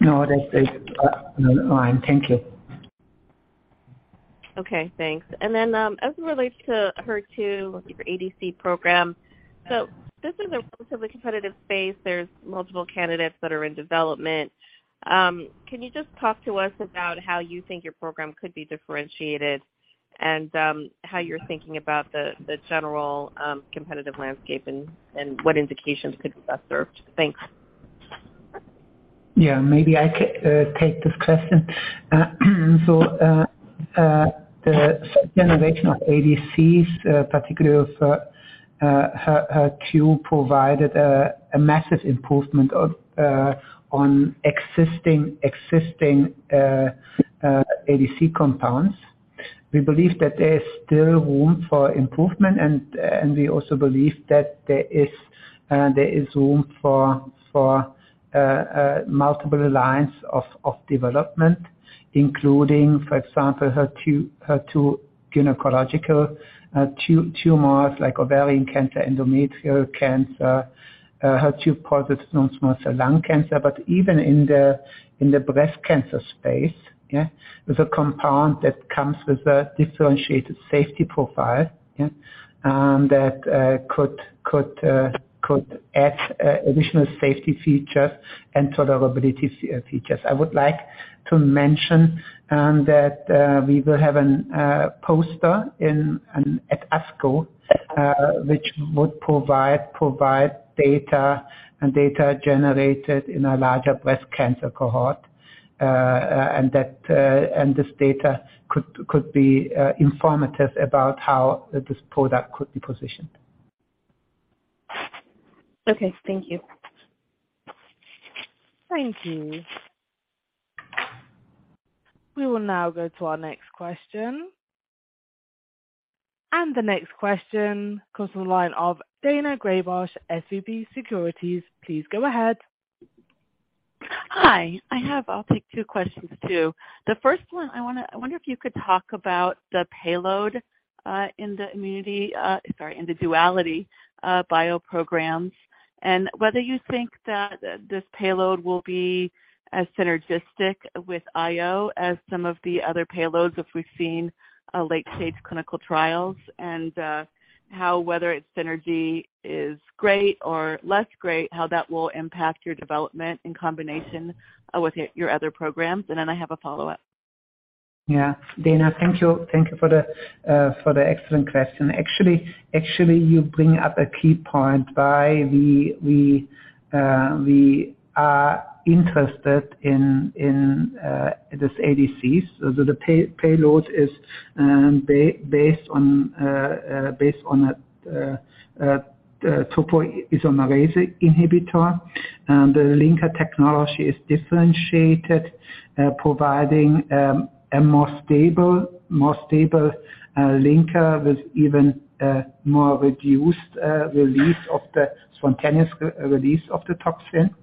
No, that's it. No, thank you. Okay, thanks. As it relates to HER2, looking for ADC program. This is a relatively competitive space. There's multiple candidates that are in development. Can you just talk to us about how you think your program could be differentiated and how you're thinking about the general competitive landscape and what indications could be best served? Thanks. Maybe I can take this question. The generation of ADCs, particularly of HER2, provided a massive improvement on existing ADC compounds. We believe that there is still room for improvement. We also believe that there is room for multiple lines of development, including, for example, HER2 gynecological tumors like ovarian cancer, endometrial cancer, HER2 positive non-small cell lung cancer. Even in the breast cancer space, there's a compound that comes with a differentiated safety profile, that could add additional safety features and tolerability features. I would like to mention that we will have an poster in at ASCO which would provide data and data generated in a larger breast cancer cohort. This data could be informative about how this product could be positioned. Okay. Thank you. Thank you. We will now go to our next question. The next question comes from the line of Daina Graybosch, SVB Securities. Please go ahead. Hi. I'll take two questions, too. The first one I wonder if you could talk about the payload in the DualityBio programs and whether you think that this payload will be as synergistic with IO as some of the other payloads, if we've seen late-stage clinical trials and how, whether its synergy is great or less great, how that will impact your development in combination with your other programs. Then I have a follow-up. Yeah. Daina, thank you. Thank you for the excellent question. Actually, you bring up a key point why we are interested in this ADCs. The payload is based on a topoisomerase inhibitor. The linker technology is differentiated, providing a more stable linker with even more reduced release of the spontaneous re-release of the toxin.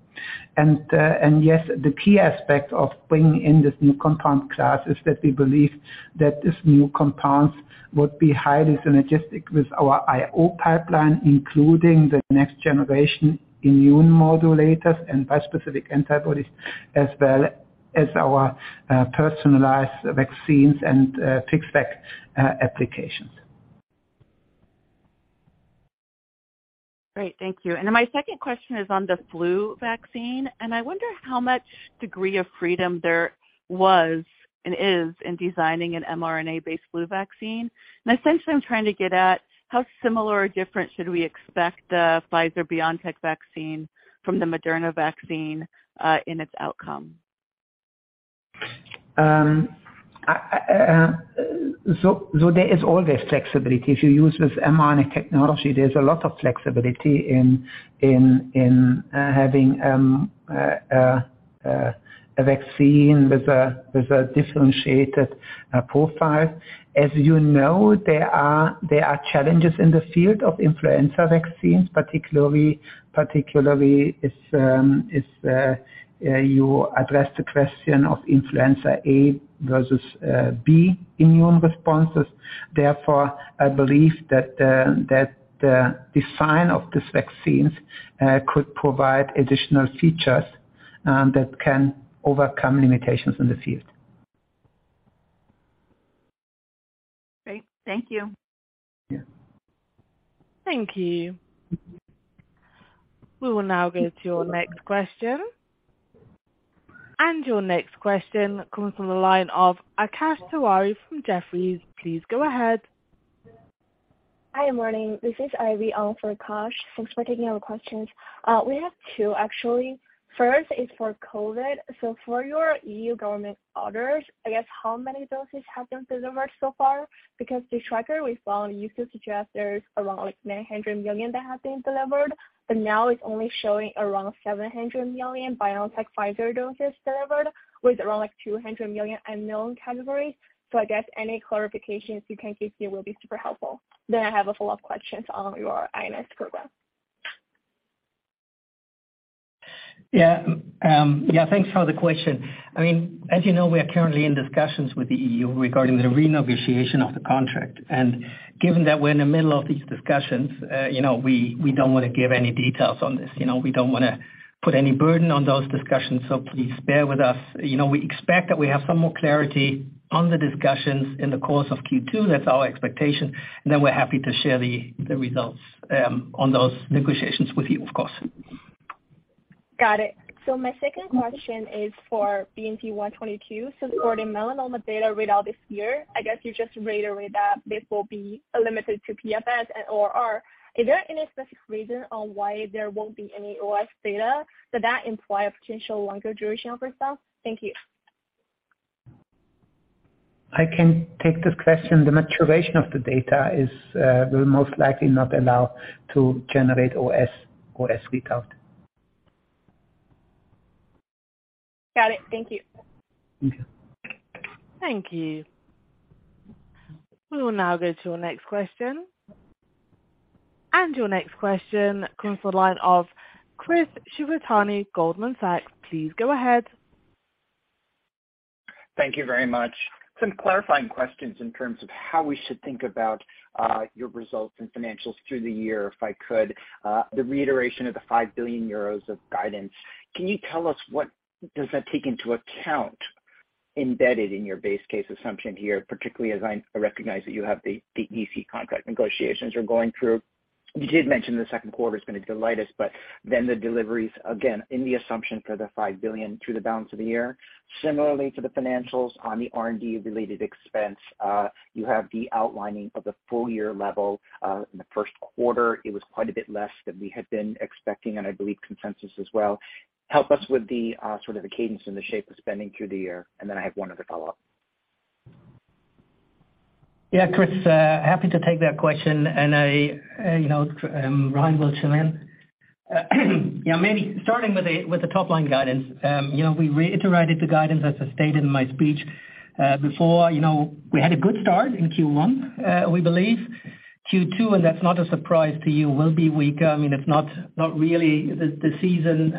Yes, the key aspect of bringing in this new compound class is that we believe that this new compounds would be highly synergistic with our IO pipeline, including the next generation immune modulators and bispecific antibodies, as well as our personalized vaccines and FixVac applications. Great. Thank you. My second question is on the flu vaccine. I wonder how much degree of freedom there was and is in designing an mRNA-based flu vaccine. I'm trying to get at how similar or different should we expect the Pfizer-BioNTech vaccine from the Moderna vaccine, in its outcome. There is always flexibility. If you use this mRNA technology, there's a lot of flexibility in having a vaccine with a differentiated profile. As you know, there are challenges in the field of influenza vaccines, particularly if you address the question of influenza A versus B immune responses. I believe that the design of these vaccines could provide additional features that can overcome limitations in the field. Great. Thank you. Yeah. Thank you. We will now go to your next question. Your next question comes from the line of Akash Tewari from Jefferies. Please go ahead. Hi, morning. This is Ivy Ong for Jefferies. Thanks for taking our questions. We have two actually. First is for COVID. For your EU government orders, I guess how many doses have been delivered so far? Because the tracker we follow used to suggest there's around like 900 million that have been delivered, but now it's only showing around 700 million BioNTech Pfizer doses delivered with around like 200 million unknown category. I guess any clarifications you can give here will be super helpful. I have a follow-up question on your iNeST program. Yeah. Yeah, thanks for the question. I mean, as you know, we are currently in discussions with the EU regarding the renegotiation of the contract. Given that we're in the middle of these discussions, you know, we don't wanna give any details on this. You know, we don't wanna put any burden on those discussions, so please bear with us. You know, we expect that we have some more clarity on the discussions in the course of Q2. That's our expectation. Then we're happy to share the results on those negotiations with you, of course. Got it. My second question is for BNT122. For the melanoma data read all this year, I guess you just reiterate that this will be limited to PFS and ORR. Is there any specific reason on why there won't be any OS data? Does that imply a potential longer duration of results? Thank you. I can take this question. The maturation of the data is will most likely not allow to generate OS readout. Got it. Thank you. Okay. Thank you. We will now go to your next question. Your next question comes from the line of Chris Shibutani, Goldman Sachs. Please go ahead. Thank you very much. Some clarifying questions in terms of how we should think about your results and financials through the year, if I could. The reiteration of the 5 billion euros of guidance, can you tell us what does that take into account embedded in your base case assumption here, particularly as I recognize that you have the EC contract negotiations you're going through? You did mention the second quarter is gonna delight us, but then the deliveries, again, in the assumption for the 5 billion through the balance of the year. Similarly to the financials on the R&D related expense, you have the outlining of the full year level in the first quarter. It was quite a bit less than we had been expecting, I believe consensus as well. Help us with the sort of the cadence and the shape of spending through the year, and then I have one other follow-up. Yeah, Chris, happy to take that question. I, you know, Ryan will chime in. Yeah, maybe starting with the top line guidance. You know, we reiterated the guidance, as I stated in my speech, before. You know, we had a good start in Q1. We believe Q2, and that's not a surprise to you, will be weaker. I mean, it's not really the season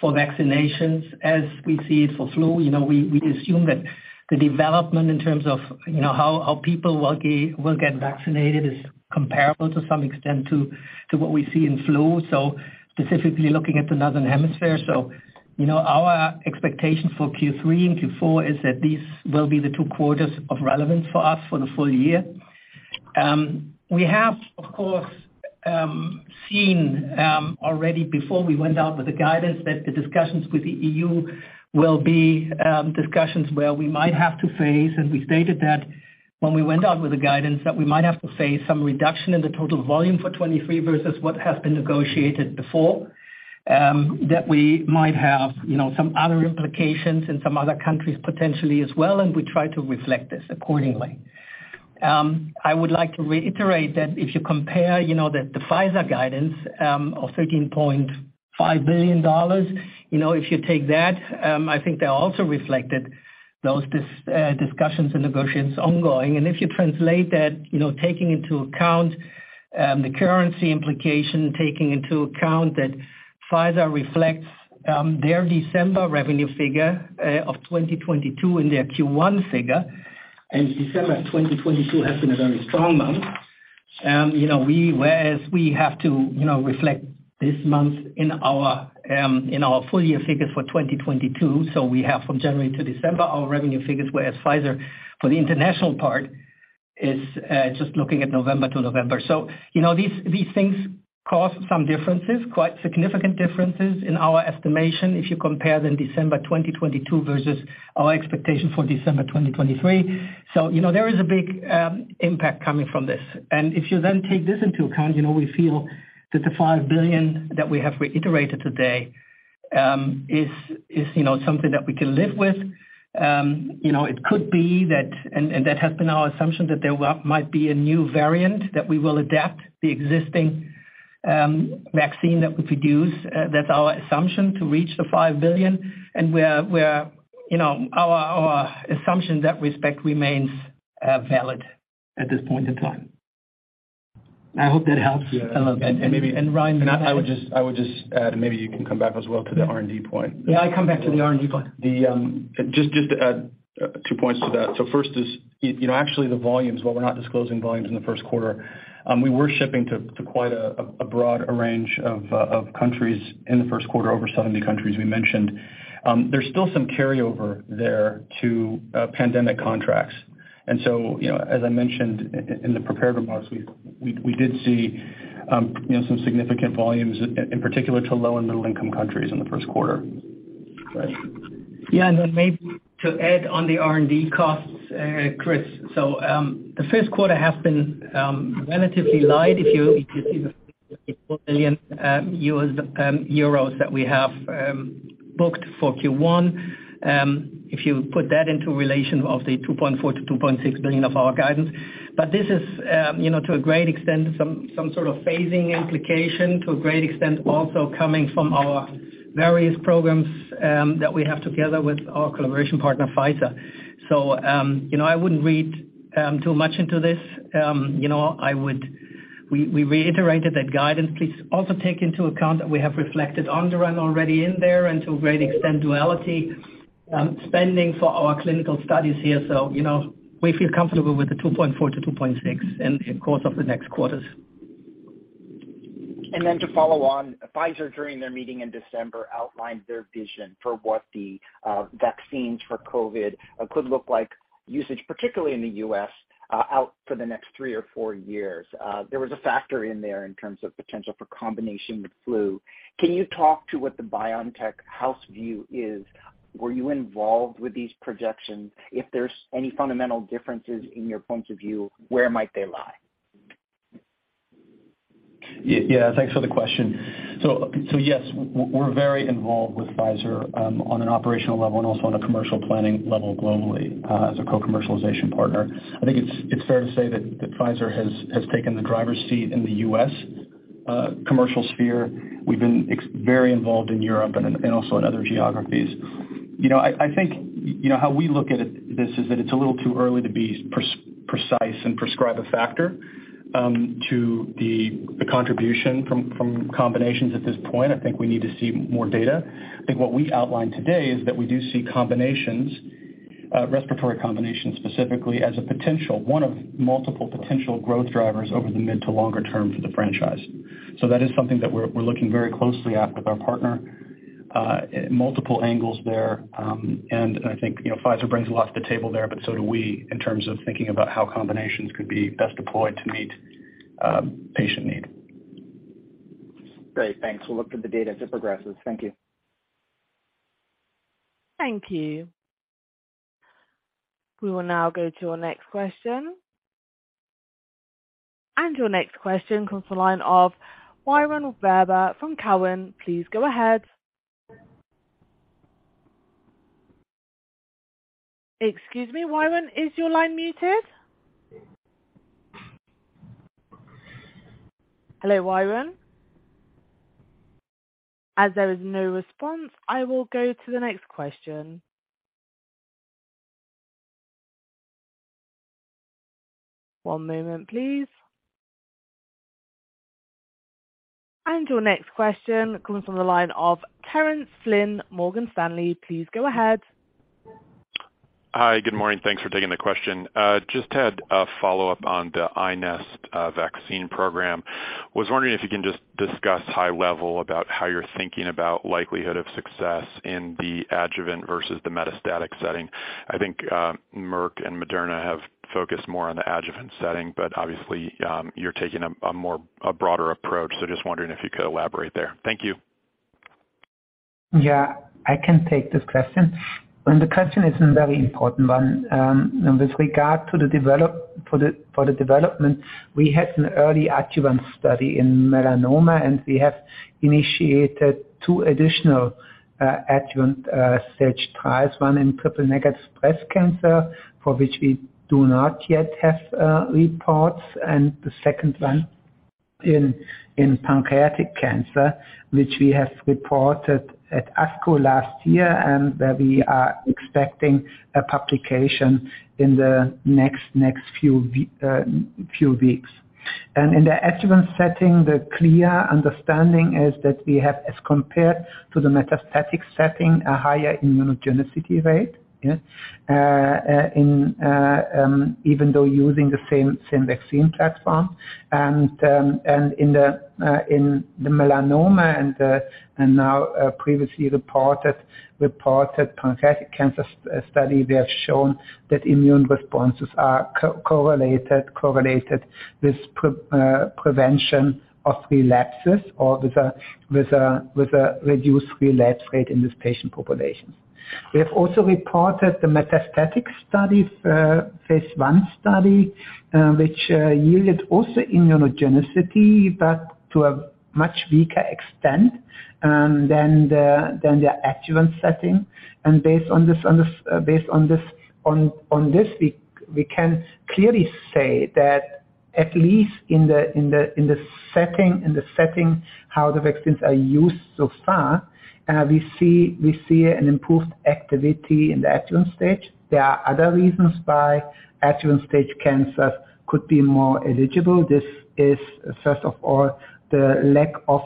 for vaccinations as we see it for flu. You know, we assume that the development in terms of, you know, how people will get vaccinated is comparable to some extent to what we see in flu. Specifically looking at the Northern Hemisphere. You know, our expectations for Q3 and Q4 is that these will be the two quarters of relevance for us for the full year. We have, of course, seen, already before we went out with the guidance that the discussions with the EU will be discussions where we might have to face, and we stated that when we went out with the guidance, that we might have to face some reduction in the total volume for 23 versus what has been negotiated before. That we might have, you know, some other implications in some other countries potentially as well, and we try to reflect this accordingly. I would like to reiterate that if you compare, you know, the Pfizer guidance of $13.5 billion, you know, if you take that, I think they also reflected those discussions and negotiations ongoing. If you translate that, you know, taking into account, the currency implication, taking into account that Pfizer reflects, their December revenue figure, of 2022 in their Q1 figure, and December 2022 has been a very strong month. You know, whereas we have to, you know, reflect this month in our, in our full year figure for 2022, so we have from January to December our revenue figures, whereas Pfizer for the international part is, just looking at November to November. You know, these things cause some differences, quite significant differences in our estimation if you compare the December 2022 versus our expectation for December 2023. You know, there is a big impact coming from this. If you then take this into account, you know, we feel that the 5 billion that we have reiterated today, is, you know, something that we can live with. You know, it could be that, and that has been our assumption, that there might be a new variant that we will adapt the existing vaccine that we produce. That's our assumption to reach the 5 billion, and we're, you know, our assumption in that respect remains valid at this point in time. I hope that helps. Yeah. Ryan I would just add, maybe you can come back as well to the R&D point. Yeah, I come back to the R&D point. The, Just to add two points to that. First is, you know, actually the volumes, while we're not disclosing volumes in the first quarter, we were shipping to quite a broad range of countries in the first quarter, over 70 countries we mentioned. There's still some carryover there to pandemic contracts. You know, as I mentioned in the prepared remarks, we did see, you know, some significant volumes in particular to low and middle income countries in the first quarter. Yeah, then maybe to add on the R&D costs, Chris. The first quarter has been relatively light. If you see the 1 billion that we have booked for Q1, if you put that into relation of the 2.4 billion-2.6 billion of our guidance. This is, you know, to a great extent, some sort of phasing implication to a great extent also coming from our various programs that we have together with our collaboration partner, Pfizer. You know, I wouldn't read too much into this. You know, we reiterated that guidance. Please also take into account that we have reflected ONPATTRO already in there and to a great extent Duality spending for our clinical studies here you know, we feel comfortable with the 2.4-2.6 in the course of the next quarters. To follow on, Pfizer, during their meeting in December, outlined their vision for what the vaccines for COVID could look like usage, particularly in the U.S., out for the next three or four years. There was a factor in there in terms of potential for combination with flu. Can you talk to what the BioNTech house view is? Were you involved with these projections? If there's any fundamental differences in your points of view, where might they lie? Yeah. Thanks for the question. Yes, we're very involved with Pfizer on an operational level and also on a commercial planning level globally as a co-commercialization partner. I think it's fair to say that Pfizer has taken the driver's seat in the US commercial sphere. We've been very involved in Europe and also in other geographies. You know, I think, you know, how we look at it, this is that it's a little too early to be precise and prescribe a factor to the contribution from combinations at this point. I think we need to see more data. I think what we outlined today is that we do see combinations, respiratory combinations specifically as a potential, one of multiple potential growth drivers over the mid to longer term for the franchise. That is something that we're looking very closely at with our partner, multiple angles there. I think, you know, Pfizer brings a lot to the table there, but so do we in terms of thinking about how combinations could be best deployed to meet, patient need. Great. Thanks. We'll look for the data as it progresses. Thank you. Thank you. We will now go to our next question. Your next question comes the line of Yaron Werber from Cowen. Please go ahead. Excuse me, Yaron, is your line muted? Hello, Yaron? As there is no response, I will go to the next question. One moment, please. Your next question comes from the line of Terence Flynn, Morgan Stanley. Please go ahead. Hi. Good morning. Thanks for taking the question. Just had a follow-up on the iNeST vaccine program. Was wondering if you can just discuss high level about how you're thinking about likelihood of success in the adjuvant versus the metastatic setting? I think, Merck and Moderna have focused more on the adjuvant setting, but obviously, you're taking a more, a broader approach. Just wondering if you could elaborate there? Thank you. Yeah, I can take this question. The question is a very important one. With regard to the development, we had an early adjuvant study in melanoma, and we have initiated two additional adjuvant stage trials, 1 in triple-negative breast cancer, for which we do not yet have reports, and the second one in pancreatic cancer, which we have reported at ASCO last year, and that we are expecting a publication in the next few weeks. In the adjuvant setting, the clear understanding is that we have, as compared to the metastatic setting, a higher immunogenicity rate, yes, even though using the same vaccine platform. In the melanoma and now previously reported pancreatic cancer study, they have shown that immune responses are correlated with prevention of relapses or with a reduced relapse rate in this patient population. We have also reported the metastatic study, phase one study, which yielded also immunogenicity, but to a much weaker extent than the adjuvant setting. Based on this, we can clearly say that at least in the setting how the vaccines are used so far, we see an improved activity in the adjuvant stage. There are other reasons why adjuvant stage cancers could be more eligible. This is, first of all, the lack of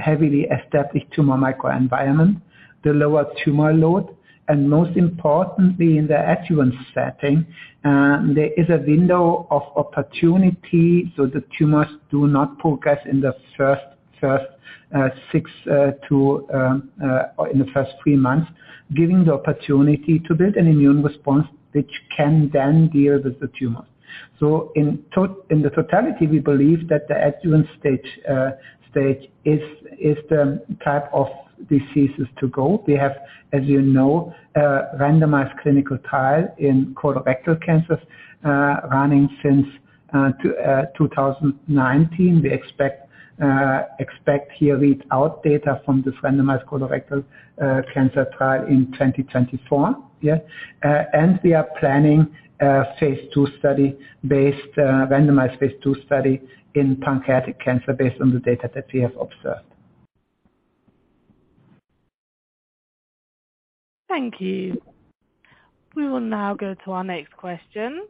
heavily established tumor microenvironment, the lower tumor load, and most importantly, in the adjuvant setting, there is a window of opportunity, so the tumors do not progress in the first six or in the first three months, giving the opportunity to build an immune response, which can then deal with the tumor. In the totality, we believe that the adjuvant stage is the type of diseases to go. We have, as you know, a randomized clinical trial in colorectal cancers running since 2019. We expect here read out data from this randomized colorectal cancer trial in 2024. We are planning a phase II study based, randomized phase II study in pancreatic cancer based on the data that we have observed. Thank you. We will now go to our next question.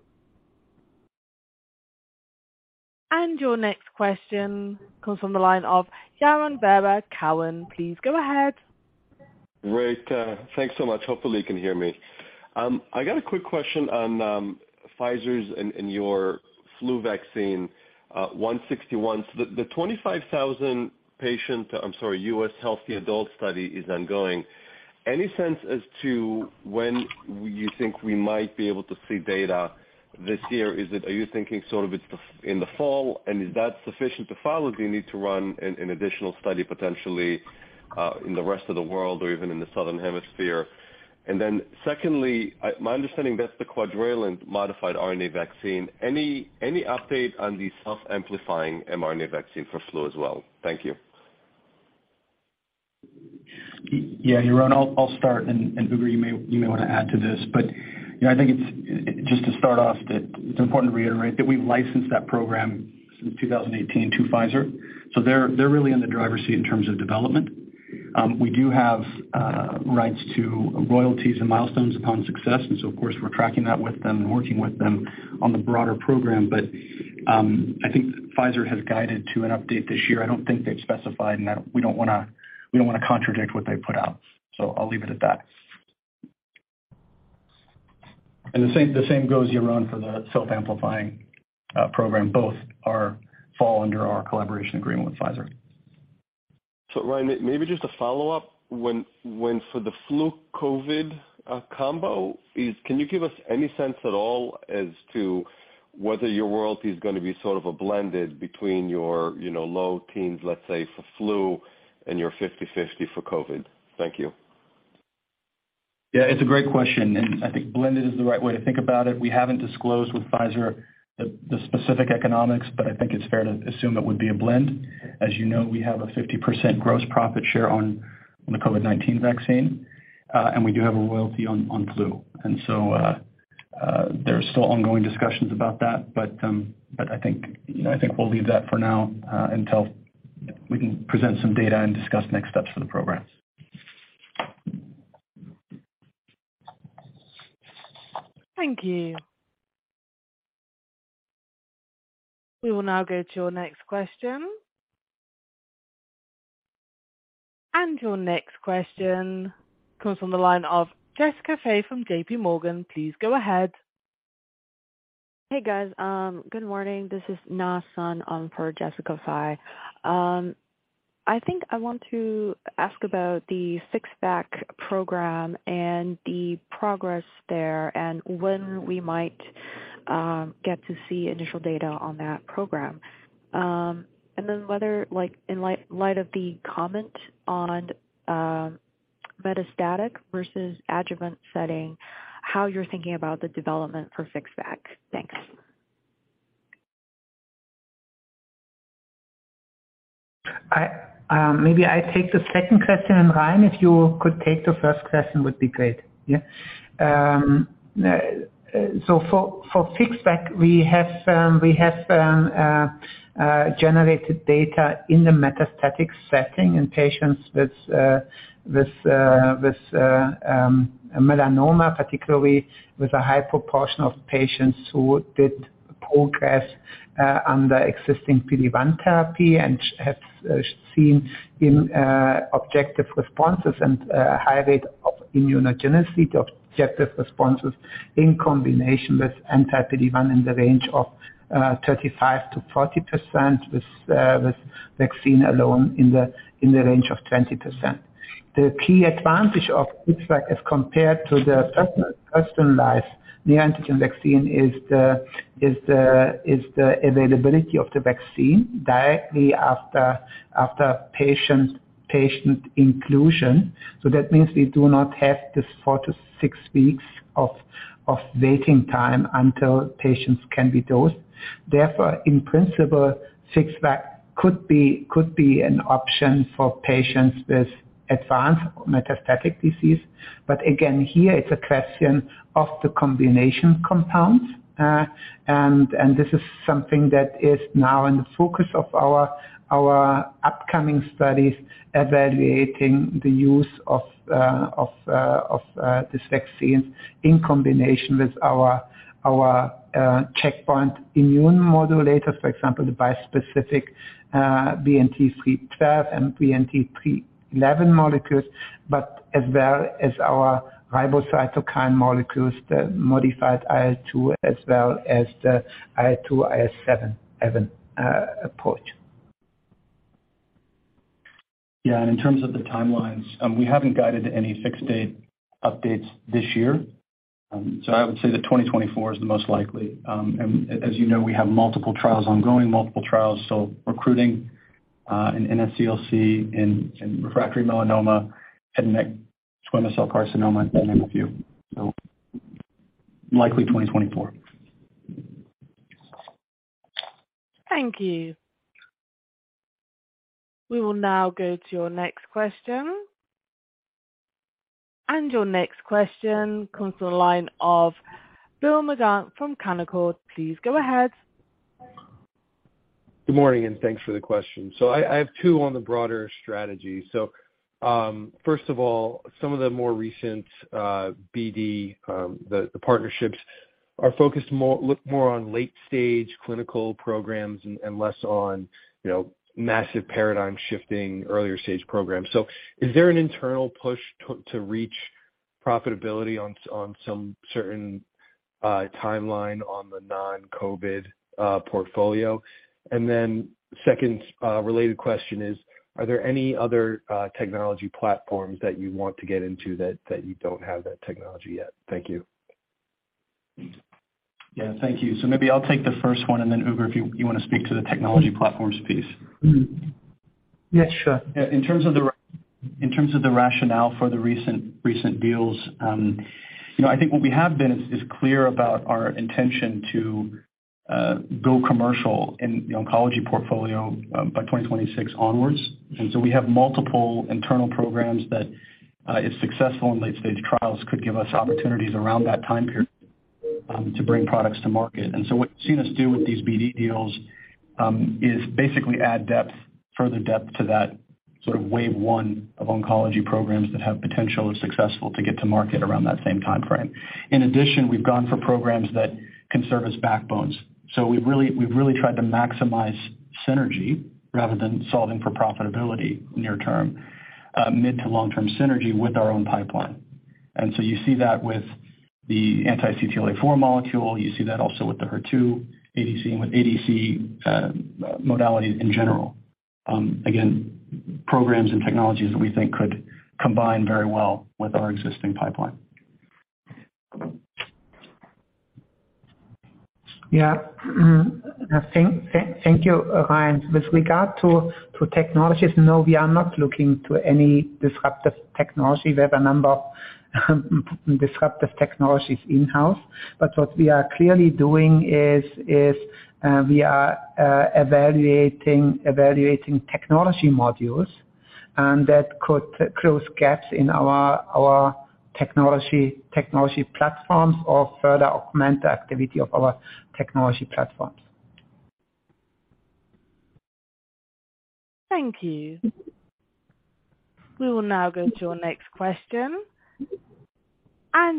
Your next question comes from the line of Yaron Werber, Cowen. Please go ahead. Great. Thanks so much. Hopefully you can hear me. I got a quick question on Pfizer's and your flu vaccine, BNT161. The 25,000 patient, I'm sorry, U.S. healthy adult study is ongoing. Any sense as to when you think we might be able to see data this year? Are you thinking sort of in the fall? Is that sufficient to follow? Do you need to run an additional study potentially in the rest of the world or even in the southern hemisphere? Secondly, my understanding that's the quadrivalent modified RNA vaccine. Any update on the self-amplifying mRNA vaccine for flu as well? Thank you. Yeah, Yaron, I'll start and Ugur, you may want to add to this. You know, I think just to start off, that it's important to reiterate that we licensed that program since 2018 to Pfizer. They're really in the driver's seat in terms of development. We do have rights to royalties and milestones upon success. Of course, we're tracking that with them and working with them on the broader program. I think Pfizer has guided to an update this year. I don't think they've specified and that we don't wanna contradict what they put out. I'll leave it at that. The same goes, Yaron, for the self-amplifying program. Both are fall under our collaboration agreement with Pfizer. Ryan, maybe just a follow-up. When for the flu COVID combo is, can you give us any sense at all as to whether your royalty is gonna be sort of a blended between your, you know, low teens, let's say, for flu and your 50/50 for COVID? Thank you. Yeah, it's a great question, and I think blended is the right way to think about it. We haven't disclosed with Pfizer the specific economics, but I think it's fair to assume it would be a blend. As you know, we have a 50% gross profit share on the COVID-19 vaccine, and we do have a royalty on flu. There are still ongoing discussions about that. But I think, you know, I think we'll leave that for now until we can present some data and discuss next steps for the programs. Thank you. We will now go to your next question. Your next question comes from the line of Jessica Fye from JPMorgan. Please go ahead. Hey, guys. good morning. This is Na Sun in for Jessica Fye. I think I want to ask about the FixVac program and the progress there, and when we might get to see initial data on that program. Whether like, in light of the comment on metastatic versus adjuvant setting, how you're thinking about the development for FixVac? Thanks. I, maybe I take the second question, and Ryan, if you could take the first question, would be great. Yeah. For FixVac, we have generated data in the metastatic setting in patients with melanoma, particularly with a high proportion of patients who did progress under existing PD-1 therapy and have seen objective responses and a high rate of immunogenicity. The objective responses in combination with anti-PD-1 in the range of 35%-40% with vaccine alone in the range of 20%. The key advantage of FixVac as compared to the personalized neoantigen vaccine is the availability of the vaccine directly after patient inclusion. That means we do not have this four to six weeks of waiting time until patients can be dosed. Therefore, in principle, FixVac could be an option for patients with advanced metastatic disease. Again, here it's a question of the combination compounds. And this is something that is now in the focus of our upcoming studies evaluating the use of this vaccine in combination with our checkpoint immune modulators. For example, the bispecific BNT312 and BNT311 molecules, but as well as our RiboCytokine molecules, the modified IL-2 as well as the IL-2, IL-7 approach. Yeah, in terms of the timelines, we haven't guided any fixed date updates this year. I would say that 2024 is the most likely. As you know, we have multiple trials ongoing, multiple trials still recruiting. In NSCLC, in refractory melanoma, head and neck squamous cell carcinoma, and NFU. Likely 2024. Thank you. We will now go to your next question. Your next question comes to the line of Bill Maughan from Canaccord Genuity. Please go ahead. Good morning, and thanks for the question. I have two on the broader strategy. First of all, some of the more recent BD, the partnerships look more on late stage clinical programs and less on, you know, massive paradigm shifting earlier stage programs. Is there an internal push to reach profitability on some certain timeline on the non-COVID portfolio? Second, related question is, are there any other technology platforms that you want to get into that you don't have that technology yet? Thank you. Thank you. Maybe I'll take the first one and then, Ugur, if you wanna speak to the technology platforms piece. Yes, sure. In terms of the rationale for the recent deals, you know, I think what we have been is clear about our intention to go commercial in the oncology portfolio by 2026 onwards. We have multiple internal programs that if successful in late stage trials, could give us opportunities around that time period to bring products to market. What you've seen us do with these BD deals is basically add depth, further depth to that sort of wave one of oncology programs that have potential or successful to get to market around that same timeframe. In addition, we've gone for programs that can serve as backbones. We've really tried to maximize synergy rather than solving for profitability near term. Mid to long-term synergy with our own pipeline. You see that with the anti-CTLA-4 molecule. You see that also with the HER2 ADC, and with ADC modality in general. Again, programs and technologies that we think could combine very well with our existing pipeline. Yeah. Thank you, Ryan. With regard to technologies, no, we are not looking to any disruptive technology. We have a number of disruptive technologies in-house. What we are clearly doing is, we are evaluating technology modules, and that could close gaps in our technology platforms or further augment the activity of our technology platforms. Thank you. We will now go to your next question.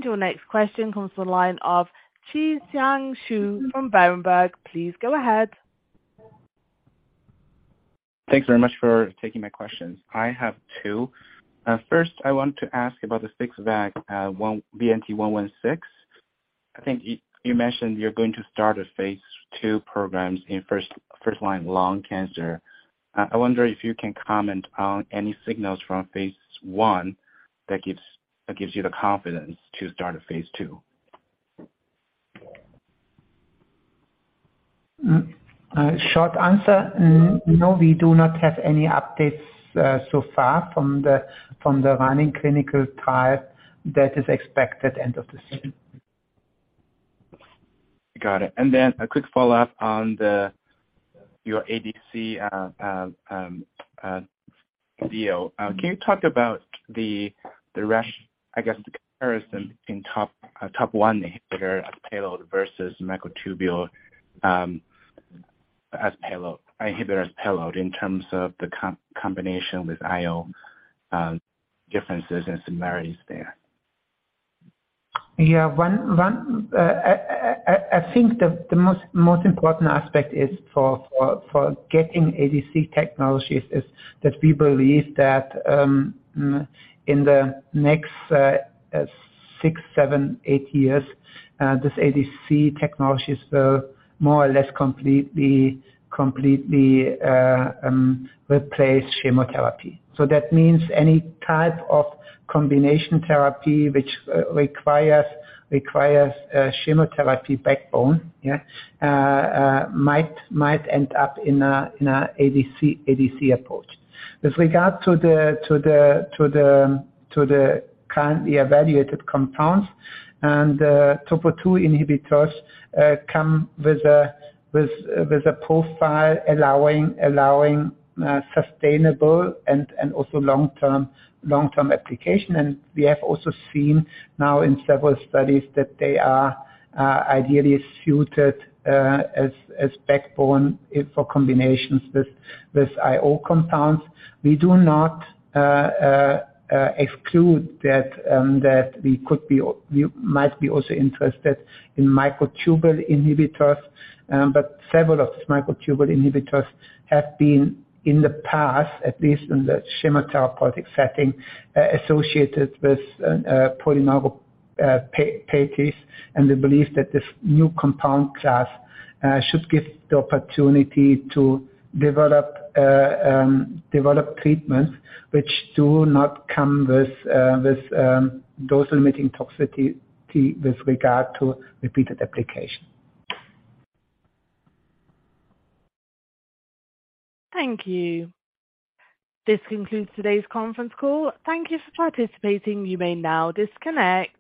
Your next question comes to the line of Zhiqiang Shu from Berenberg. Please go ahead. Thanks very much for taking my questions. I have two. First, I want to ask about the FixVac, BNT116. I think you mentioned you're going to start a phase two programs in first-line lung cancer. I wonder if you can comment on any signals from phase one that gives you the confidence to start a phase two. Short answer, no, we do not have any updates so far from the running clinical trial that is expected end of this year. Got it. A quick follow-up on the, your ADC, deal. Can you talk about the rash, I guess the comparison in top one inhibitor as payload versus microtubule, inhibitor as payload in terms of the combination with IO, differences and similarities there? Yeah. One, I think the most important aspect is for getting ADC technologies is that we believe that in the next six, seven, eight years, this ADC technologies will more or less completely replace chemotherapy. That means any type of combination therapy which requires chemotherapy backbone, yeah, might end up in an ADC approach. With regard to the currently evaluated compounds and Topo I inhibitors, come with a profile allowing sustainable and also long-term application. We have also seen now in several studies that they are ideally suited as backbone for combinations with IO compounds. We do not exclude that we could be or we might be also interested in microtubule inhibitors, but several of these microtubule inhibitors have been in the past, at least in the chemotherapeutic setting, associated with polyneuropathies and the belief that this new compound class should give the opportunity to develop treatments which do not come with those limiting toxicity with regard to repeated application. Thank you. This concludes today's conference call. Thank you for participating. You may now disconnect.